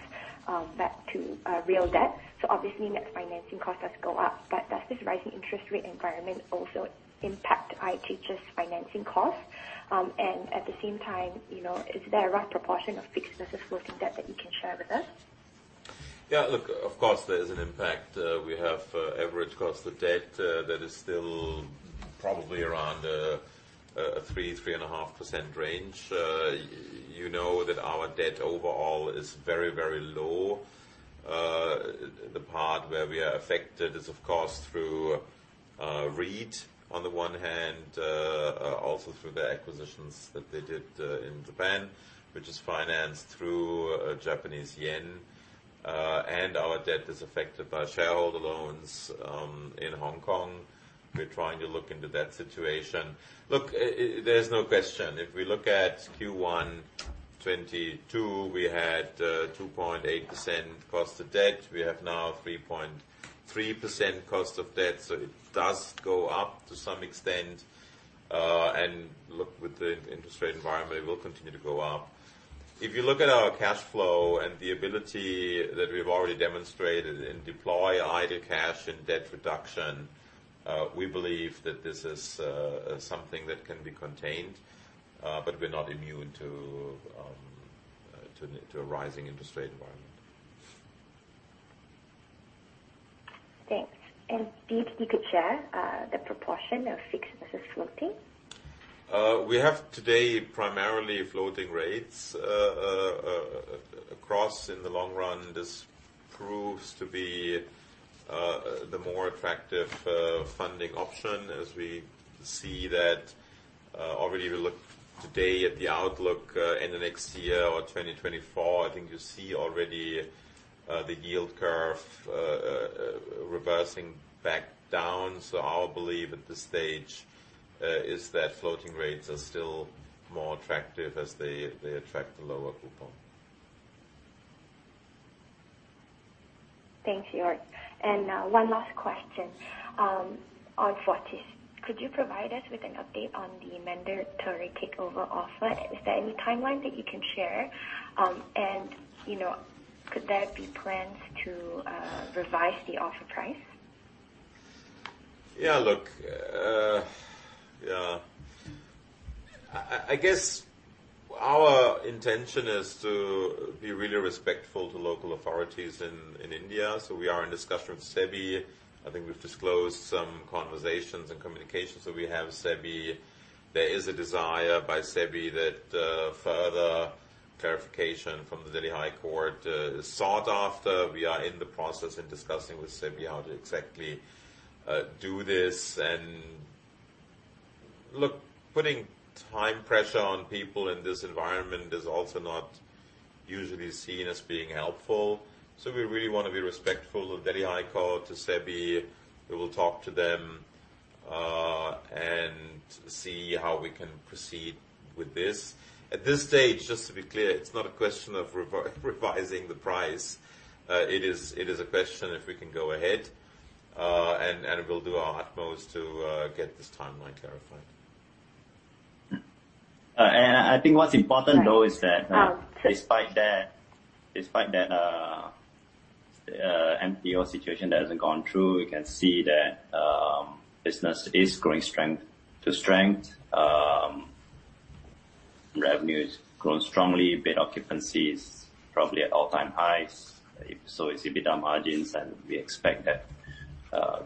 back to real debt, so obviously net financing costs does go up. Does this rising interest rate environment also impact IHH's financing costs? At the same time, you know, is there a rough proportion of fixed versus floating debt that you can share with us? Yeah. Look, of course there is an impact. We have average cost of debt that is still probably around a 3-3.5% range. You know that our debt overall is very, very low. The part where we are affected is of course through REIT on the one hand, also through the acquisitions that they did in Japan, which is financed through Japanese yen. Our debt is affected by shareholder loans in Hong Kong. We're trying to look into that situation. Look, there's no question. If we look at Q1 2022, we had 2.8% cost of debt. We have now 3.3% cost of debt, so it does go up to some extent. Look, with the interest rate environment, it will continue to go up. If you look at our cash flow and the ability that we've already demonstrated and deploy idle cash in debt reduction, we believe that this is something that can be contained, but we're not immune to a rising interest rate environment. Thanks. If you could share, the proportion of fixed versus floating. We have today primarily floating rates. Across in the long run, this proves to be the more attractive funding option as we see that already we look today at the outlook in the next year or 2024, I think you see already the yield curve reversing back down. Our belief at this stage is that floating rates are still more attractive as they attract a lower coupon. Thanks, Joerg. One last question. On Fortis. Could you provide us with an update on the mandatory takeover offer? Is there any timeline that you can share? You know, could there be plans to revise the offer price? Yeah. Look, yeah. I guess our intention is to be really respectful to local authorities in India, so we are in discussion with SEBI. I think we've disclosed some conversations and communications that we have with SEBI. There is a desire by SEBI that further clarification from the Delhi High Court is sought after. We are in the process in discussing with SEBI how to exactly do this. Look, putting time pressure on people in this environment is also not usually seen as being helpful, so we really wanna be respectful of Delhi High Court, to SEBI. We will talk to them. See how we can proceed with this. At this stage, just to be clear, it's not a question of revising the price. It is a question if we can go ahead, and we'll do our utmost to get this timeline clarified. I think what's important though is. Yeah. ....despite that, MPO situation that has gone through, we can see that, business is growing strength to strength. Revenue has grown strongly, bed occupancy is probably at all-time highs. So is EBITDA margins. We expect that,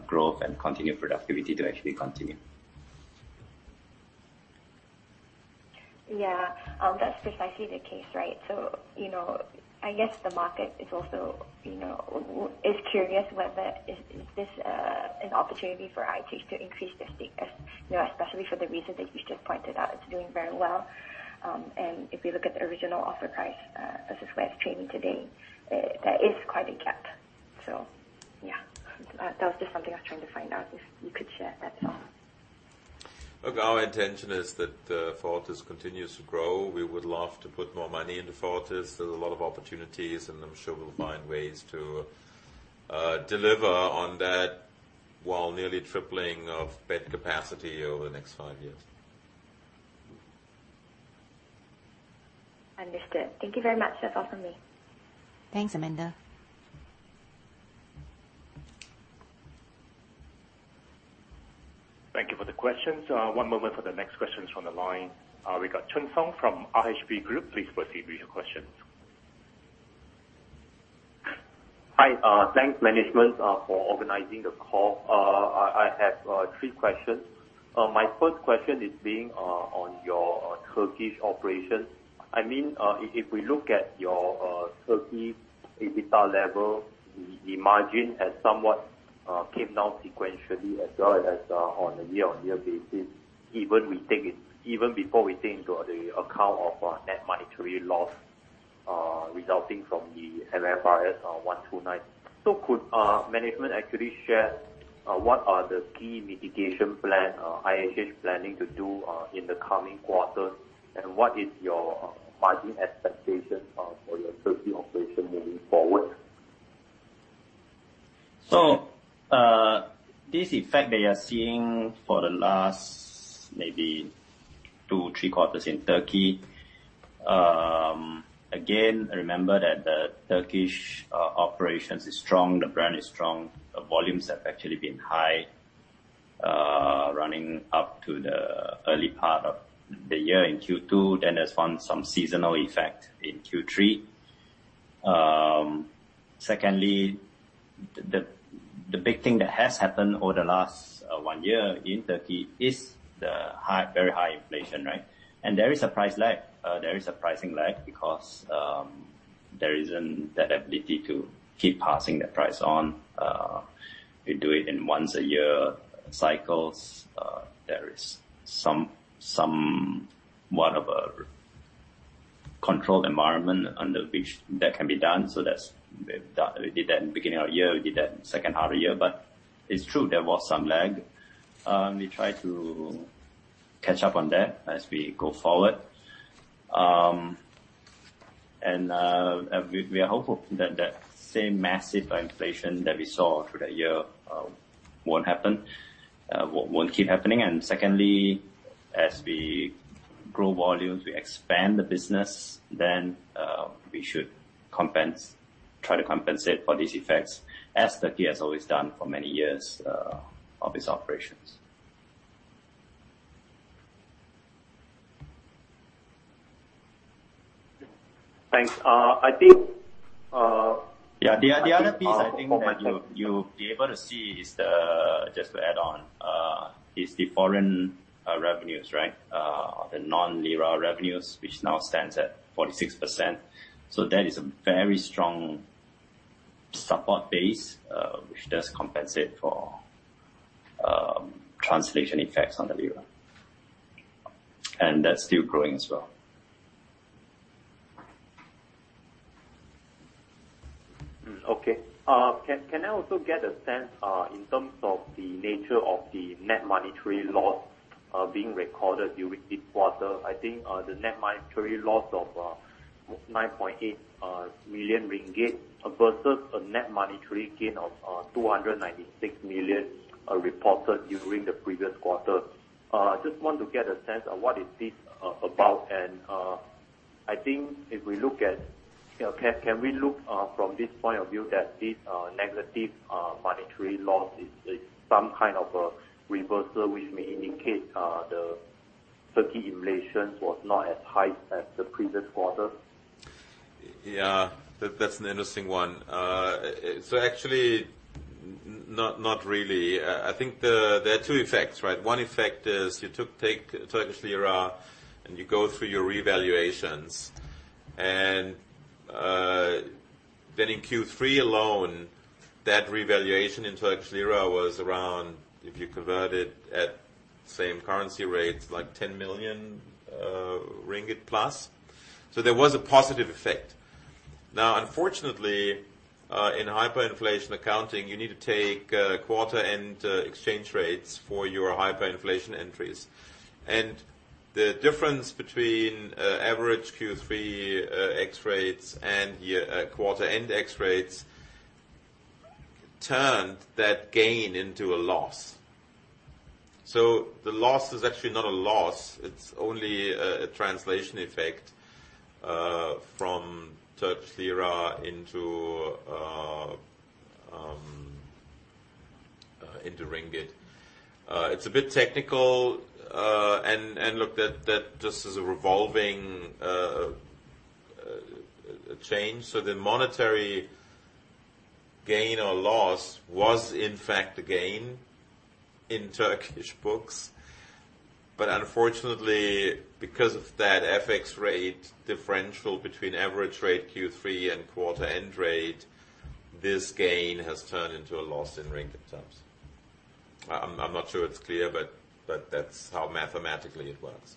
growth and continued productivity to actually continue. Yeah. That's precisely the case, right? You know, I guess the market is also, you know, curious whether is this an opportunity for IHH to increase their stake as, you know, especially for the reasons that you just pointed out, it's doing very well. If you look at the original offer price versus where it's trading today, there is quite a gap. Yeah. That was just something I was trying to find out, if you could share that at all. Look, our intention is that Fortis continues to grow. We would love to put more money into Fortis. There's a lot of opportunities, and I'm sure we'll find ways to deliver on that, while nearly tripling of bed capacity over the next five years. Understood. Thank you very much. That's all from me. Thanks, Amanda. Thank you for the questions. One moment for the next questions from the line. We got Oong Chun Song from RHB Group. Please proceed with your questions. Hi. Thanks management for organizing the call. I have three questions. My first question is being on your Turkish operations. I mean, if we look at your Turkey EBITDA level, the margin has somewhat came down sequentially as well as on a year-on-year basis, even before we take into the account of net monetary loss resulting from the MFRS 129. Could management actually share what are the key mitigation plan IHH is planning to do in the coming quarters? What is your margin expectation for your Turkey operation moving forward? This effect that you're seeing for the last maybe two, three quarters in Turkey, again, remember that the Turkish operations is strong, the brand is strong. The volumes have actually been high, running up to the early part of the year in Q2, then there's found some seasonal effect in Q3. Secondly, the big thing that has happened over the last one year in Turkey is very high inflation, right? There is a price lag. There is a pricing lag because there isn't that ability to keep passing that price on. We do it in once a year cycles. There is somewhat of a controlled environment under which that can be done. That's, we've done. We did that in the beginning of the year. We did that second half of the year. It's true, there was some lag. We try to catch up on that as we go forward. We are hopeful that that same massive inflation that we saw through that year won't happen, won't keep happening. Secondly, as we grow volumes, we expand the business, we should try to compensate for these effects as Turkey has always done for many years of its operations. Thanks. I think... The other piece I think that you'll be able to see is the just to add on, is the foreign revenues, right? The non-lira revenues, which now stands at 46%. That is a very strong support base, which does compensate for translation effects on the lira. That's still growing as well. Can I also get a sense in terms of the nature of the net monetary loss being recorded during this quarter? The net monetary loss of 9.8 million ringgit versus a net monetary gain of 296 million reported during the previous quarter. Just want to get a sense of what is this about. You know, can we look from this point of view that this negative monetary loss is some kind of a reversal which may indicate the Turkey inflation was not as high as the previous quarter? That's an interesting one. Actually not really. I think there are two effects, right? One effect is you take Turkish lira and you go through your revaluations. Then in Q3 alone, that revaluation in Turkish lira was around, if you convert it at same currency rates, like 10 million ringgit plus. There was a positive effect. Unfortunately, in hyperinflation accounting, you need to take quarter-end exchange rates for your hyperinflation entries. The difference between average Q3 X rates and quarter-end X rates turned that gain into a loss. The loss is actually not a loss. It's only a translation effect from Turkish lira into ringgit. It's a bit technical, and look that just is a revolving change. The monetary gain or loss was in fact a gain in Turkish books. Unfortunately, because of that FX rate differential between average rate Q3 and quarter-end rate, this gain has turned into a loss in ringgit terms. I'm not sure it's clear, that's how mathematically it works.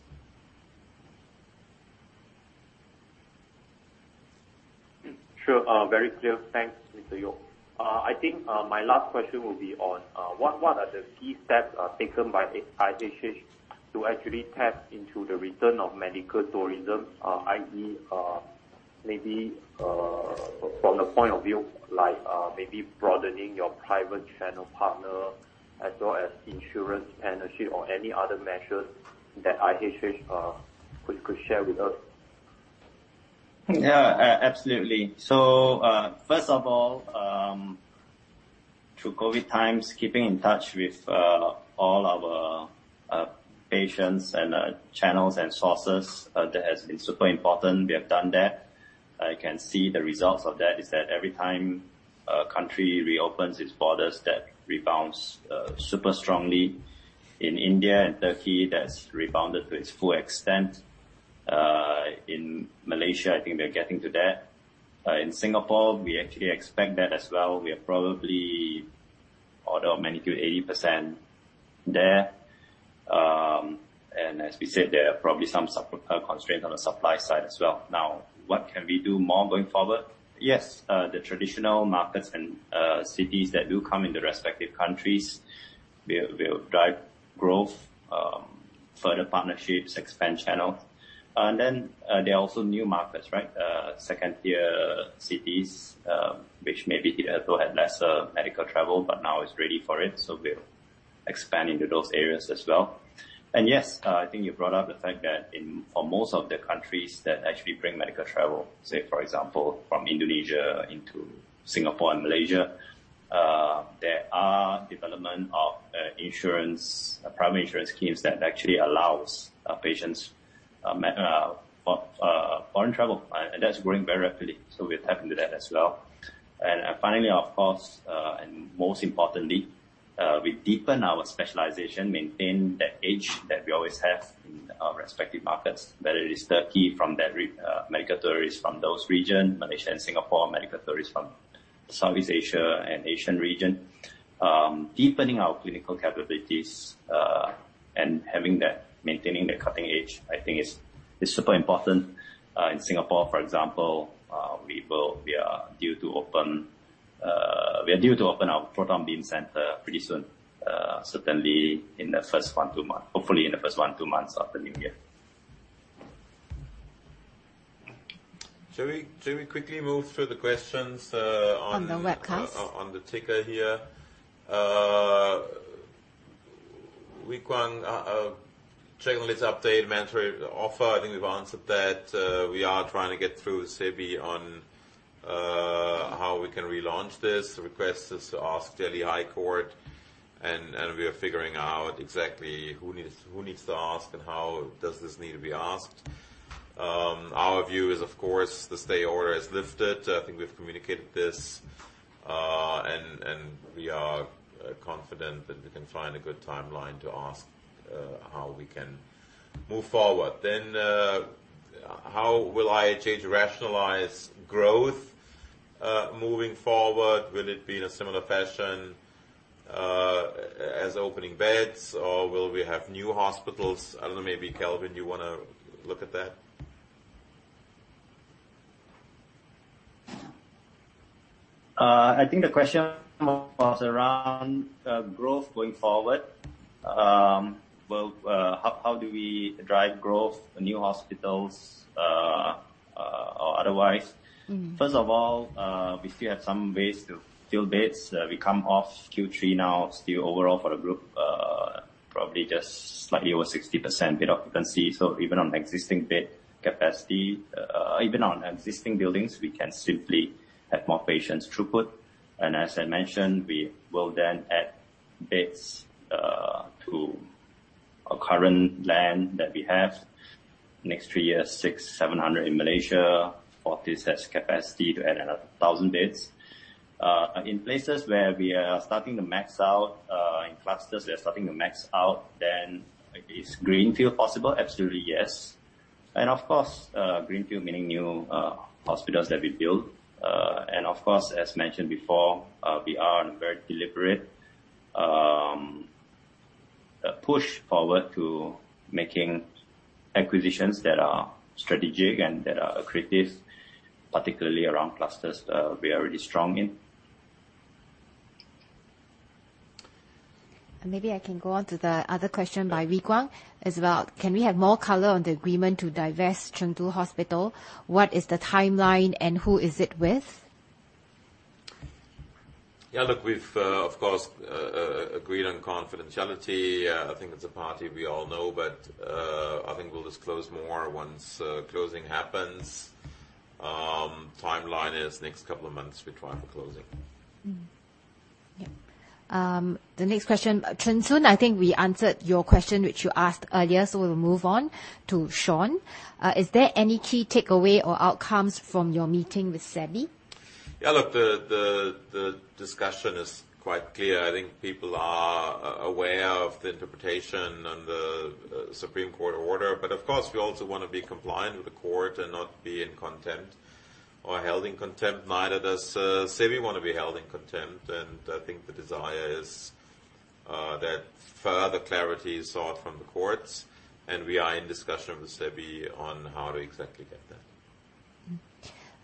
Sure. very clear. Thanks, Mr. Joerg. I think, my last question will be on what are the key steps taken by IHH to actually tap into the return of medical tourism, i.e., maybe, from the point of view, like, maybe broadening your private channel partner as well as insurance partnership or any other measures that IHH could share with us? Absolutely. First of all, through COVID times, keeping in touch with all our patients and channels and sources, that has been super important. We have done that. I can see the results of that is that every time a country reopens its borders, that rebounds super strongly. In India and Turkey, that's rebounded to its full extent. In Malaysia, I think they're getting to that. In Singapore, we actually expect that as well. We are probably order of maybe two to 80% there. As we said, there are probably some supply constraints on the supply side as well. What can we do more going forward? Yes, the traditional markets and cities that do come into respective countries will drive growth, further partnerships, expand channels. There are also new markets, right? Second-tier cities, which maybe here though had lesser medical travel, but now is ready for it, so we'll expand into those areas as well. Yes, I think you brought up the fact that for most of the countries that actually bring medical travel, say for example, from Indonesia into Singapore and Malaysia, there are development of insurance, private insurance schemes that actually allows our patients for foreign travel. That's growing very rapidly, so we're tapping to that as well. Finally, of course, and most importantly, we deepen our specialization, maintain that edge that we always have in our respective markets, whether it is Turkey from that medical tourists from those region, Malaysia and Singapore, medical tourists from Southeast Asia and Asian region. Deepening our clinical capabilities, and having that, maintaining the cutting edge, I think is super important. In Singapore, for example, we are due to open our Proton Therapy Centre pretty soon, certainly in the first one, two months. Hopefully, in the first one, two months of the new year. Shall we, shall we quickly move through the questions, on-? On the webcast. On the ticker here. Weiquan, check on this update, mandatory offer. I think we've answered that. We are trying to get through SEBI on how we can relaunch this. The request is to ask High Court of Delhi, and we are figuring out exactly who needs to ask and how does this need to be asked. Our view is, of course, the stay order is lifted. I think we've communicated this, and we are confident that we can find a good timeline to ask how we can move forward. How will IHH rationalize growth moving forward? Will it be in a similar fashion as opening beds or will we have new hospitals? I don't know. Maybe Kelvin, do you wanna look at that? I think the question was around growth going forward. Well, how do we drive growth, new hospitals, or otherwise? Mm-hmm. First of all, we still have some ways to fill beds. We come off Q3 now, still overall for the group, probably just slightly over 60% bed occupancy. Even on existing bed capacity, even on existing buildings, we can simply add more patients throughput. As I mentioned, we will then add beds to our current land that we have. Next three years, 600-700 in Malaysia. Forty such capacity to add another 1,000 beds. In places where we are starting to max out, in clusters, we are starting to max out, then is greenfield possible? Absolutely, yes. Of course, greenfield meaning new hospitals that we build. Of course, as mentioned before, we are on very deliberate push forward to making acquisitions that are strategic and that are accretive, particularly around clusters that we are really strong in. Maybe I can go on to the other question by Weiquan as well. Can we have more color on the agreement to divest Chengdu Hospital? What is the timeline and who is it with? Look, we've, of course, agreed on confidentiality. I think it's a party we all know. I think we'll disclose more once closing happens. Timeline is next couple of months we try for closing. The next question. Chen Tsun, I think we answered your question, which you asked earlier, so we'll move on to Sean. Is there any key takeaway or outcomes from your meeting with SEBI? The discussion is quite clear. I think people are aware of the interpretation and the Supreme Court order. Of course, we also wanna be compliant with the court and not be in contempt or held in contempt. Neither does SEBI wanna be held in contempt. I think the desire is that further clarity is sought from the courts, and we are in discussion with SEBI on how to exactly get that.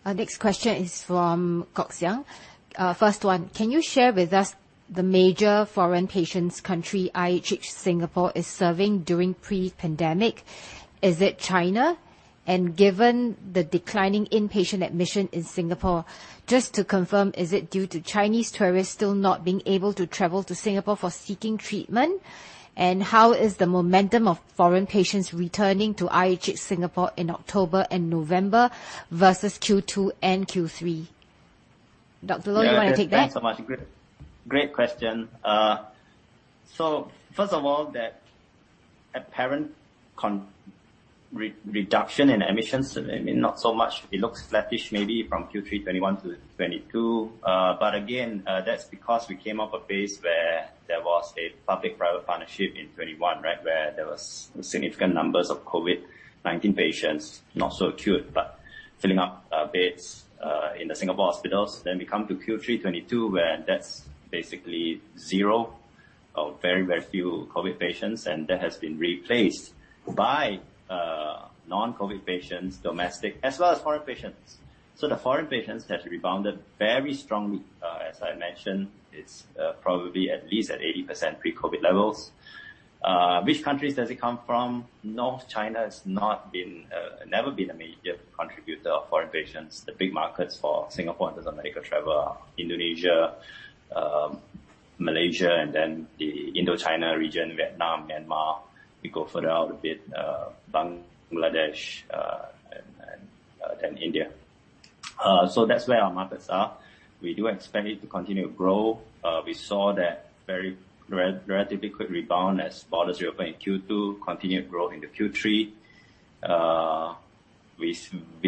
Our next question is from Kok Xiang. First one, can you share with us the major foreign patients country IHH Singapore is serving during pre-pandemic? Is it China? Given the declining inpatient admission in Singapore, just to confirm, is it due to Chinese tourists still not being able to travel to Singapore for seeking treatment? How is the momentum of foreign patients returning to IHH Singapore in October and November versus Q2 and Q3? Dr. Loh, do you wanna take that? Yeah. Thanks so much. Great, great question. First of all, that apparent re-reduction in admissions, I mean, not so much, it looks flattish maybe from Q3 2021 to 2022. But again, that's because we came off a base where there was a public-private partnership in 2021, right, where there was significant numbers of COVID-19 patients, not so acute, but filling up beds in the Singapore hospitals. We come to Q3 2022, where that's basically zero or very, very few COVID patients, and that has been replaced by non-COVID patients, domestic as well as foreign patients. The foreign patients have rebounded very strongly. As I mentioned, it's probably at least at 80% pre-COVID levels. Which countries does it come from? North China has never been a major contributor of foreign patients. The big markets for Singapore and medical travel are Indonesia, Malaysia, and then the Indochina region, Vietnam, Myanmar. We go further out a bit, Bangladesh, and then India. That's where our markets are. We do expect it to continue to grow. We saw that very relatively quick rebound as borders reopened in Q2, continued growth into Q3.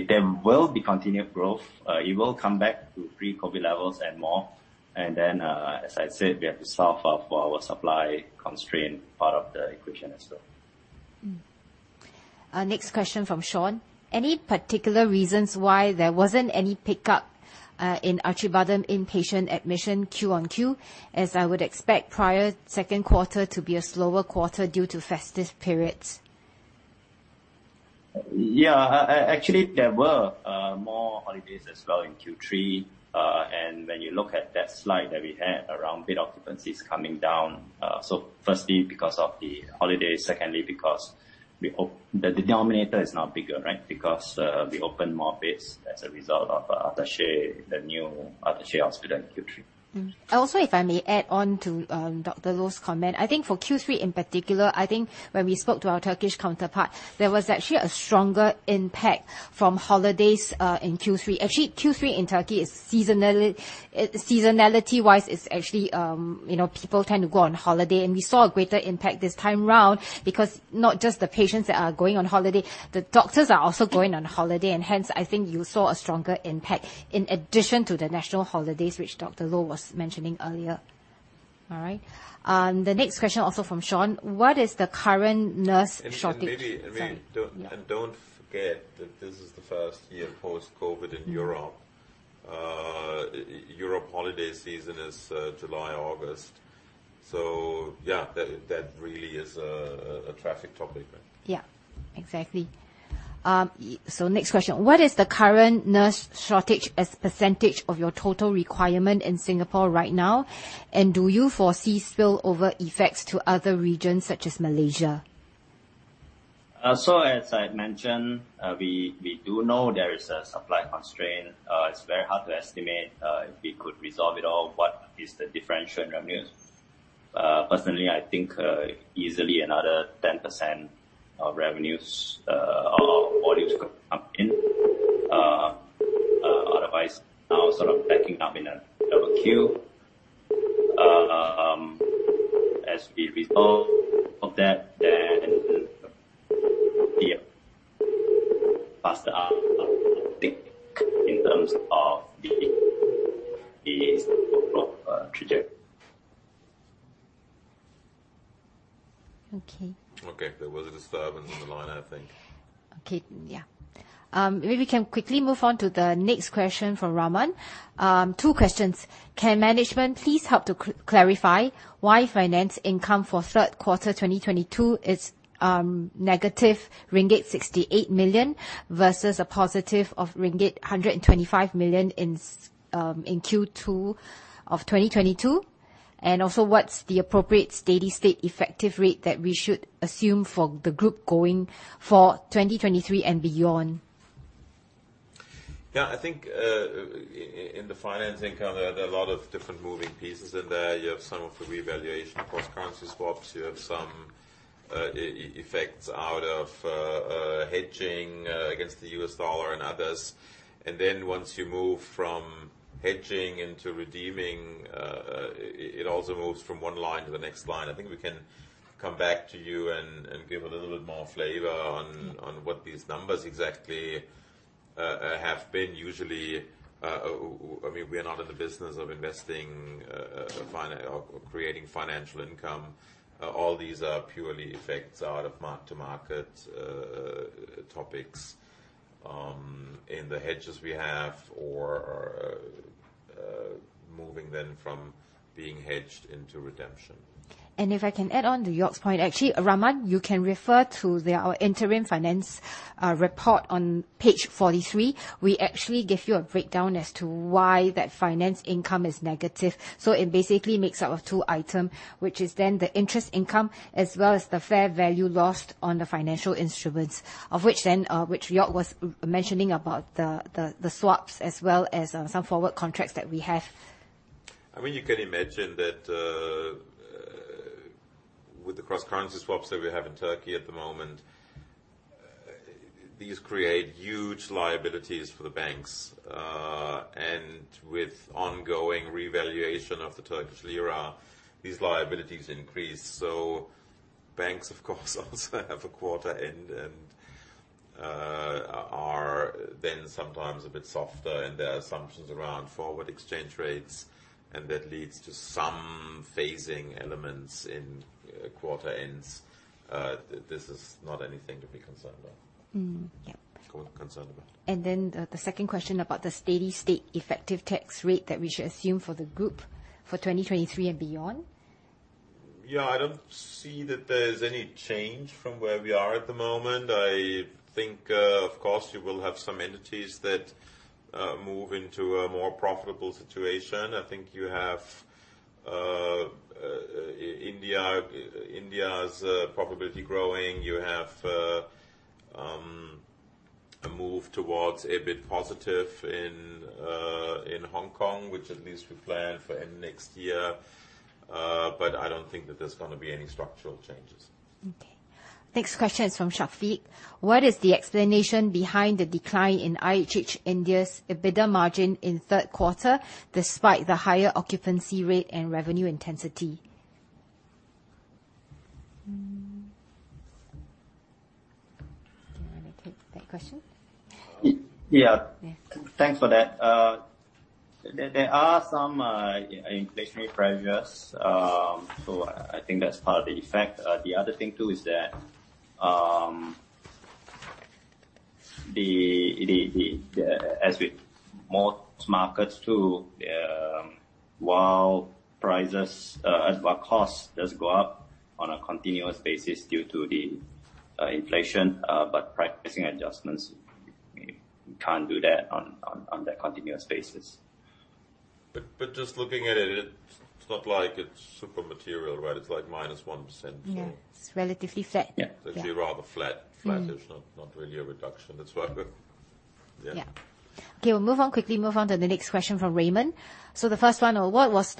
There will be continued growth. It will come back to pre-COVID levels and more. As I said, we have to solve for our supply constraint part of the equation as well. Next question from Sean. Any particular reasons why there wasn't any pickup in Acibadem inpatient admission Q-on-Q, as I would expect prior second quarter to be a slower quarter due to festive periods? Yeah. actually, there were more holidays as well in Q3. When you look at that slide that we had around bed occupancies coming down. Firstly, because of the holidays, secondly, because the denominator is now bigger, right? Because we opened more beds as a result of Ataşehir, the new Ataşehir hospital in Q3. Also, if I may add on to Dr. Loh's comment. I think for Q3 in particular, I think when we spoke to our Turkish counterpart, there was actually a stronger impact from holidays in Q3. Actually, Q3 in Turkey is Seasonality-wise, it's actually, you know, people tend to go on holiday. We saw a greater impact this time round because not just the patients that are going on holiday, the doctors are also going on holiday, and hence, I think you saw a stronger impact in addition to the national holidays, which Dr. Loh was mentioning earlier. All right? The next question also from Sean. What is the current nurse shortage? Sorry. maybe. Yeah. Don't forget that this is the first year post-COVID in Europe. Europe holiday season is July, August. Yeah, that really is a traffic topic. Yeah, exactly. Next question. What is the current nurse shortage as percentage of your total requirement in Singapore right now? Do you foresee spillover effects to other regions such as Malaysia? We do know there is a supply constraint. It is very hard to estimate if we could resolve it all, what is the differential in revenues? Personally, I think easily another 10% of revenues or volumes could come in. Otherwise, now sort of backing up in a double queue. As we resolve of that, then the faster our growth will be in terms of the surgical treatment. Okay. Okay. There was a disturbance on the line, I think. Okay. Yeah. Maybe we can quickly move on to the next question from Raman. Two questions. Can management please help to clarify why finance income for 3rd quarter 2022 is negative ringgit 68 million versus a positive of ringgit 125 million in Q2 of 2022? Also, what's the appropriate steady-state effective rate that we should assume for the group going for 2023 and beyond? Yeah. I think in the finance income, there are a lot of different moving pieces in there. You have some of the revaluation cross-currency swaps. You have some effects out of hedging against the U.S. dollar and others. Once you move from hedging into redeeming, it also moves from one line to the next line. I think we can come back to you and give a little bit more flavor on what these numbers exactly have been. Usually, we are not in the business of investing or creating financial income. All these are purely effects out of mark-to-market topics in the hedges we have or moving then from being hedged into redemption. If I can add on to Joerg's point. Actually, Raman, you can refer to the, our interim finance, report on page 43. We actually give you a breakdown as to why that finance income is negative. It basically makes up of two item, which is then the interest income as well as the fair value lost on the financial instruments. Of which Joerg was mentioning about the swaps as well as some forward contracts that we have. I mean, you can imagine that, with the cross-currency swaps that we have in Turkey at the moment, these create huge liabilities for the banks. With ongoing revaluation of the Turkish lira, these liabilities increase. Banks, of course, also have a quarter end and are then sometimes a bit softer in their assumptions around forward exchange rates, and that leads to some phasing elements in quarter ends. This is not anything to be concerned about. Yeah. Concerned about. The second question about the steady-state effective tax rate that we should assume for the group for 2023 and beyond. Yeah. I don't see that there's any change from where we are at the moment. I think, of course, you will have some entities that move into a more profitable situation. I think you have India. India's probability growing. You have a move towards a bit positive in Hong Kong, which at least we plan for end next year. I don't think that there's gonna be any structural changes. Okay. Next question is from Shafiq. What is the explanation behind the decline in IHH India's EBITDA margin in third quarter, despite the higher occupancy rate and revenue intensity? Do you wanna take that question? Y-yeah. Yes. Thanks for that. There are some inflationary pressures. I think that's part of the effect. The other thing, too, is that as with most markets too, while prices, as well cost does go up on a continuous basis due to the inflation. Practicing adjustments, we can't do that on that continuous basis. Just looking at it's not like it's super material, right? It's like minus 1%. Yeah. It's relatively flat. Yeah. It's actually rather flat. Mm-hmm. Flat is not really a reduction. That's why I've got. Yeah. Yeah. Okay. We'll move on quickly. Move on to the next question from Raymond. The first one, what was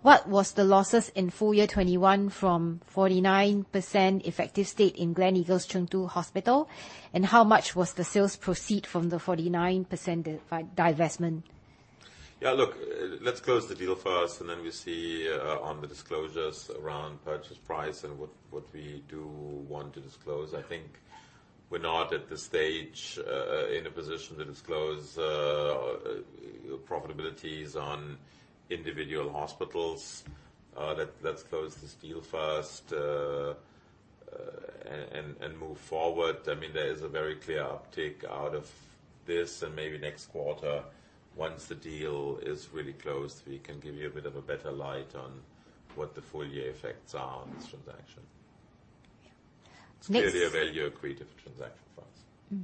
what was the losses in full year 2021 from 49% effective state in Gleneagles Chengdu hospital, and how much was the sales proceed from the 49% divestment? Yeah. Look, let's close the deal first. Then we see on the disclosures around purchase price and what we do want to disclose. I think we're not at the stage in a position to disclose profitabilities on individual hospitals. Let's close this deal first and move forward. I mean, there is a very clear uptick out of this. Maybe next quarter once the deal is really closed, we can give you a bit of a better light on what the full year effects are on this transaction. Yeah. It's clearly a value accretive transaction for us.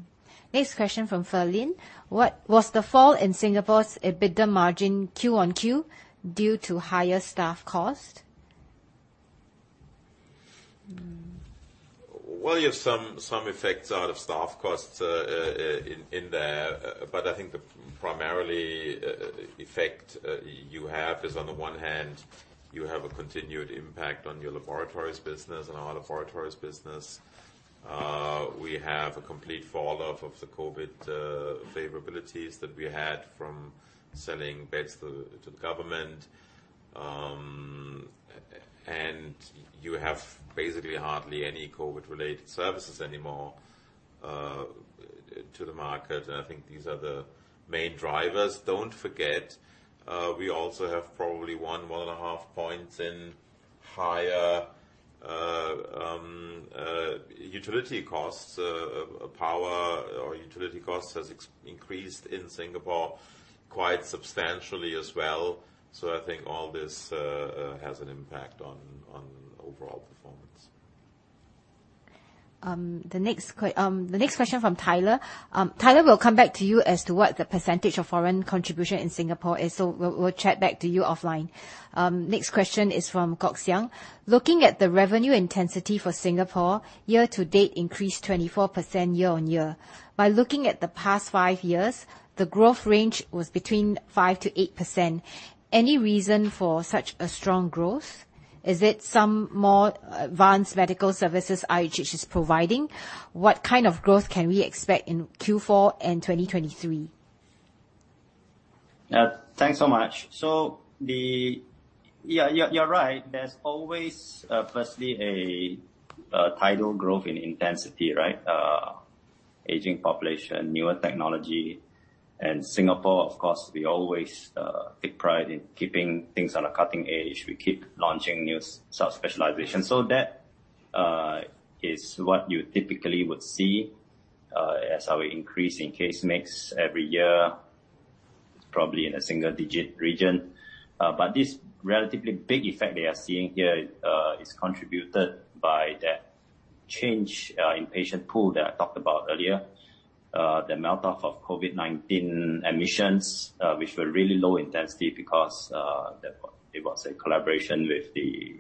Next question from Ferlin. Was the fall in Singapore's EBITDA margin Q-on-Q due to higher staff cost? Well, you have some effects out of staff costs in there. I think the primarily effect you have is, on the one hand, you have a continued impact on your laboratories business and our laboratories business. We have a complete falloff of the COVID favorabilities that we had from selling beds to government. You have basically hardly any COVID related services anymore to the market. I think these are the main drivers. Don't forget, we also have probably 1.5 points in higher utility costs, power or utility costs has increased in Singapore quite substantially as well. I think all this has an impact on overall performance. The next question from Tyler. Tyler, we'll come back to you as to what the percentage of foreign contribution in Singapore is. We'll chat back to you offline. Next question is from Kok Xiang. Looking at the revenue intensity for Singapore year to date increased 24% year-on-year. By looking at the past five years, the growth range was between 5%-8%. Any reason for such a strong growth? Is it some more advanced medical services IHH is providing? What kind of growth can we expect in Q4 and 2023? Thanks so much. You're right. There's always, firstly a tidal growth in intensity, right? Aging population, newer technology. Singapore, of course, we always take pride in keeping things on a cutting edge. We keep launching new sub-specialization. That is what you typically would see as our increase in case mix every year, probably in a single digit region. This relatively big effect we are seeing here is contributed by that change in patient pool that I talked about earlier. The melt off of COVID-19 admissions, which were really low intensity because it was a collaboration with the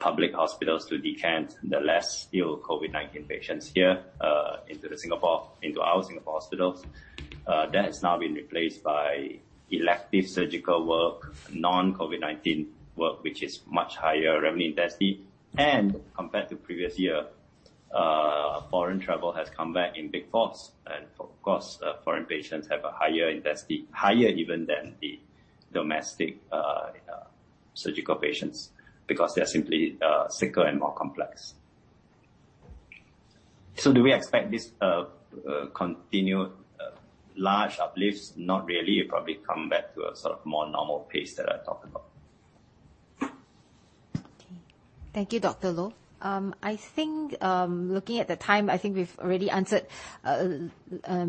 public hospitals to decant the less ill COVID-19 patients here, into our Singapore hospitals. That has now been replaced by elective surgical work, non-COVID-19 work, which is much higher revenue intensity. Compared to previous year, foreign travel has come back in big force. Of course, foreign patients have a higher intensity, higher even than the domestic, surgical patients, because they're simply, sicker and more complex. Do we expect this, continued large uplifts? Not really. It probably come back to a sort of more normal pace that I talked about. Okay. Thank you, Dr. Loh. I think, looking at the time, I think we've already answered a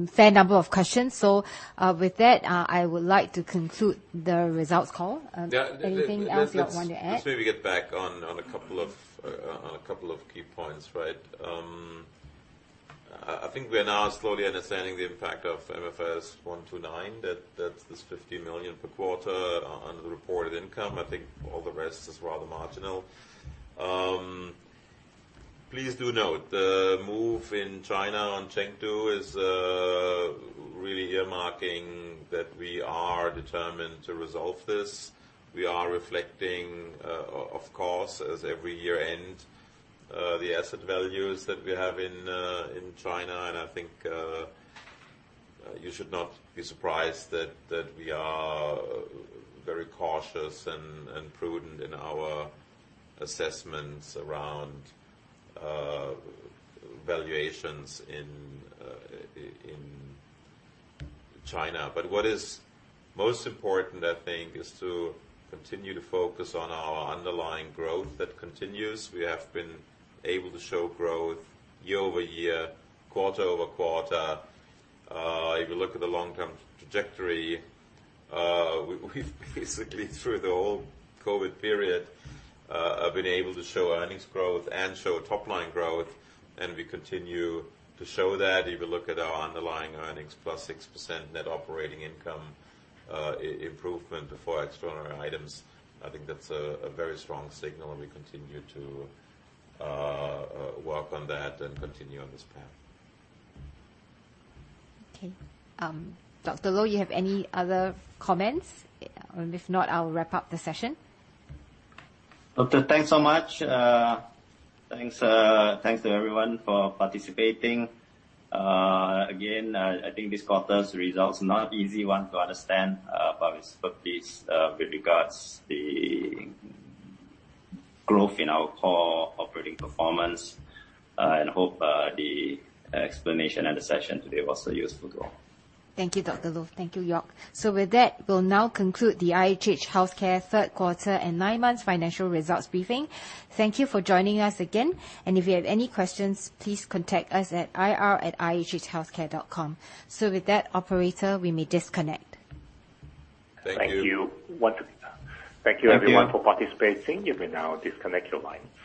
fair number of questions. With that, I would like to conclude the results call. Anything else you want to add? Just maybe get back on a couple of key points, right. I think we are now slowly understanding the impact of MFRS 129. That's this 50 million per quarter on the reported income. I think all the rest is rather marginal. Please do note, the move in China on Chengdu is really earmarking that we are determined to resolve this. We are reflecting, of course, as every year-end, the asset values that we have in China. I think you should not be surprised that we are very cautious and prudent in our assessments around valuations in China. What is most important, I think, is to continue to focus on our underlying growth that continues. We have been able to show growth year-over-year, quarter-over-quarter. If you look at the long-term trajectory, we've basically, through the whole COVID period, have been able to show earnings growth and show top line growth. We continue to show that. If you look at our underlying earnings plus 6% Net Operating Income improvement before extraordinary items, I think that's a very strong signal. We continue to work on that and continue on this path. Okay. Dr. Loh, you have any other comments? If not, I'll wrap up the session. Okay. Thanks so much. Thanks to everyone for participating. Again, I think this quarter's results, not easy one to understand, but it's good piece, with regards the growth in our core operating performance. Hope, the explanation and the session today was useful to all. Thank you, Dr. Loh. Thank you, Joerg. With that, we'll now conclude the IHH Healthcare third quarter and nine months financial results briefing. Thank you for joining us again. If you have any questions, please contact us at ir@ihhhealthcare.com. With that, operator, we may disconnect. Thank you. Thank you. Thank you everyone for participating. You may now disconnect your lines.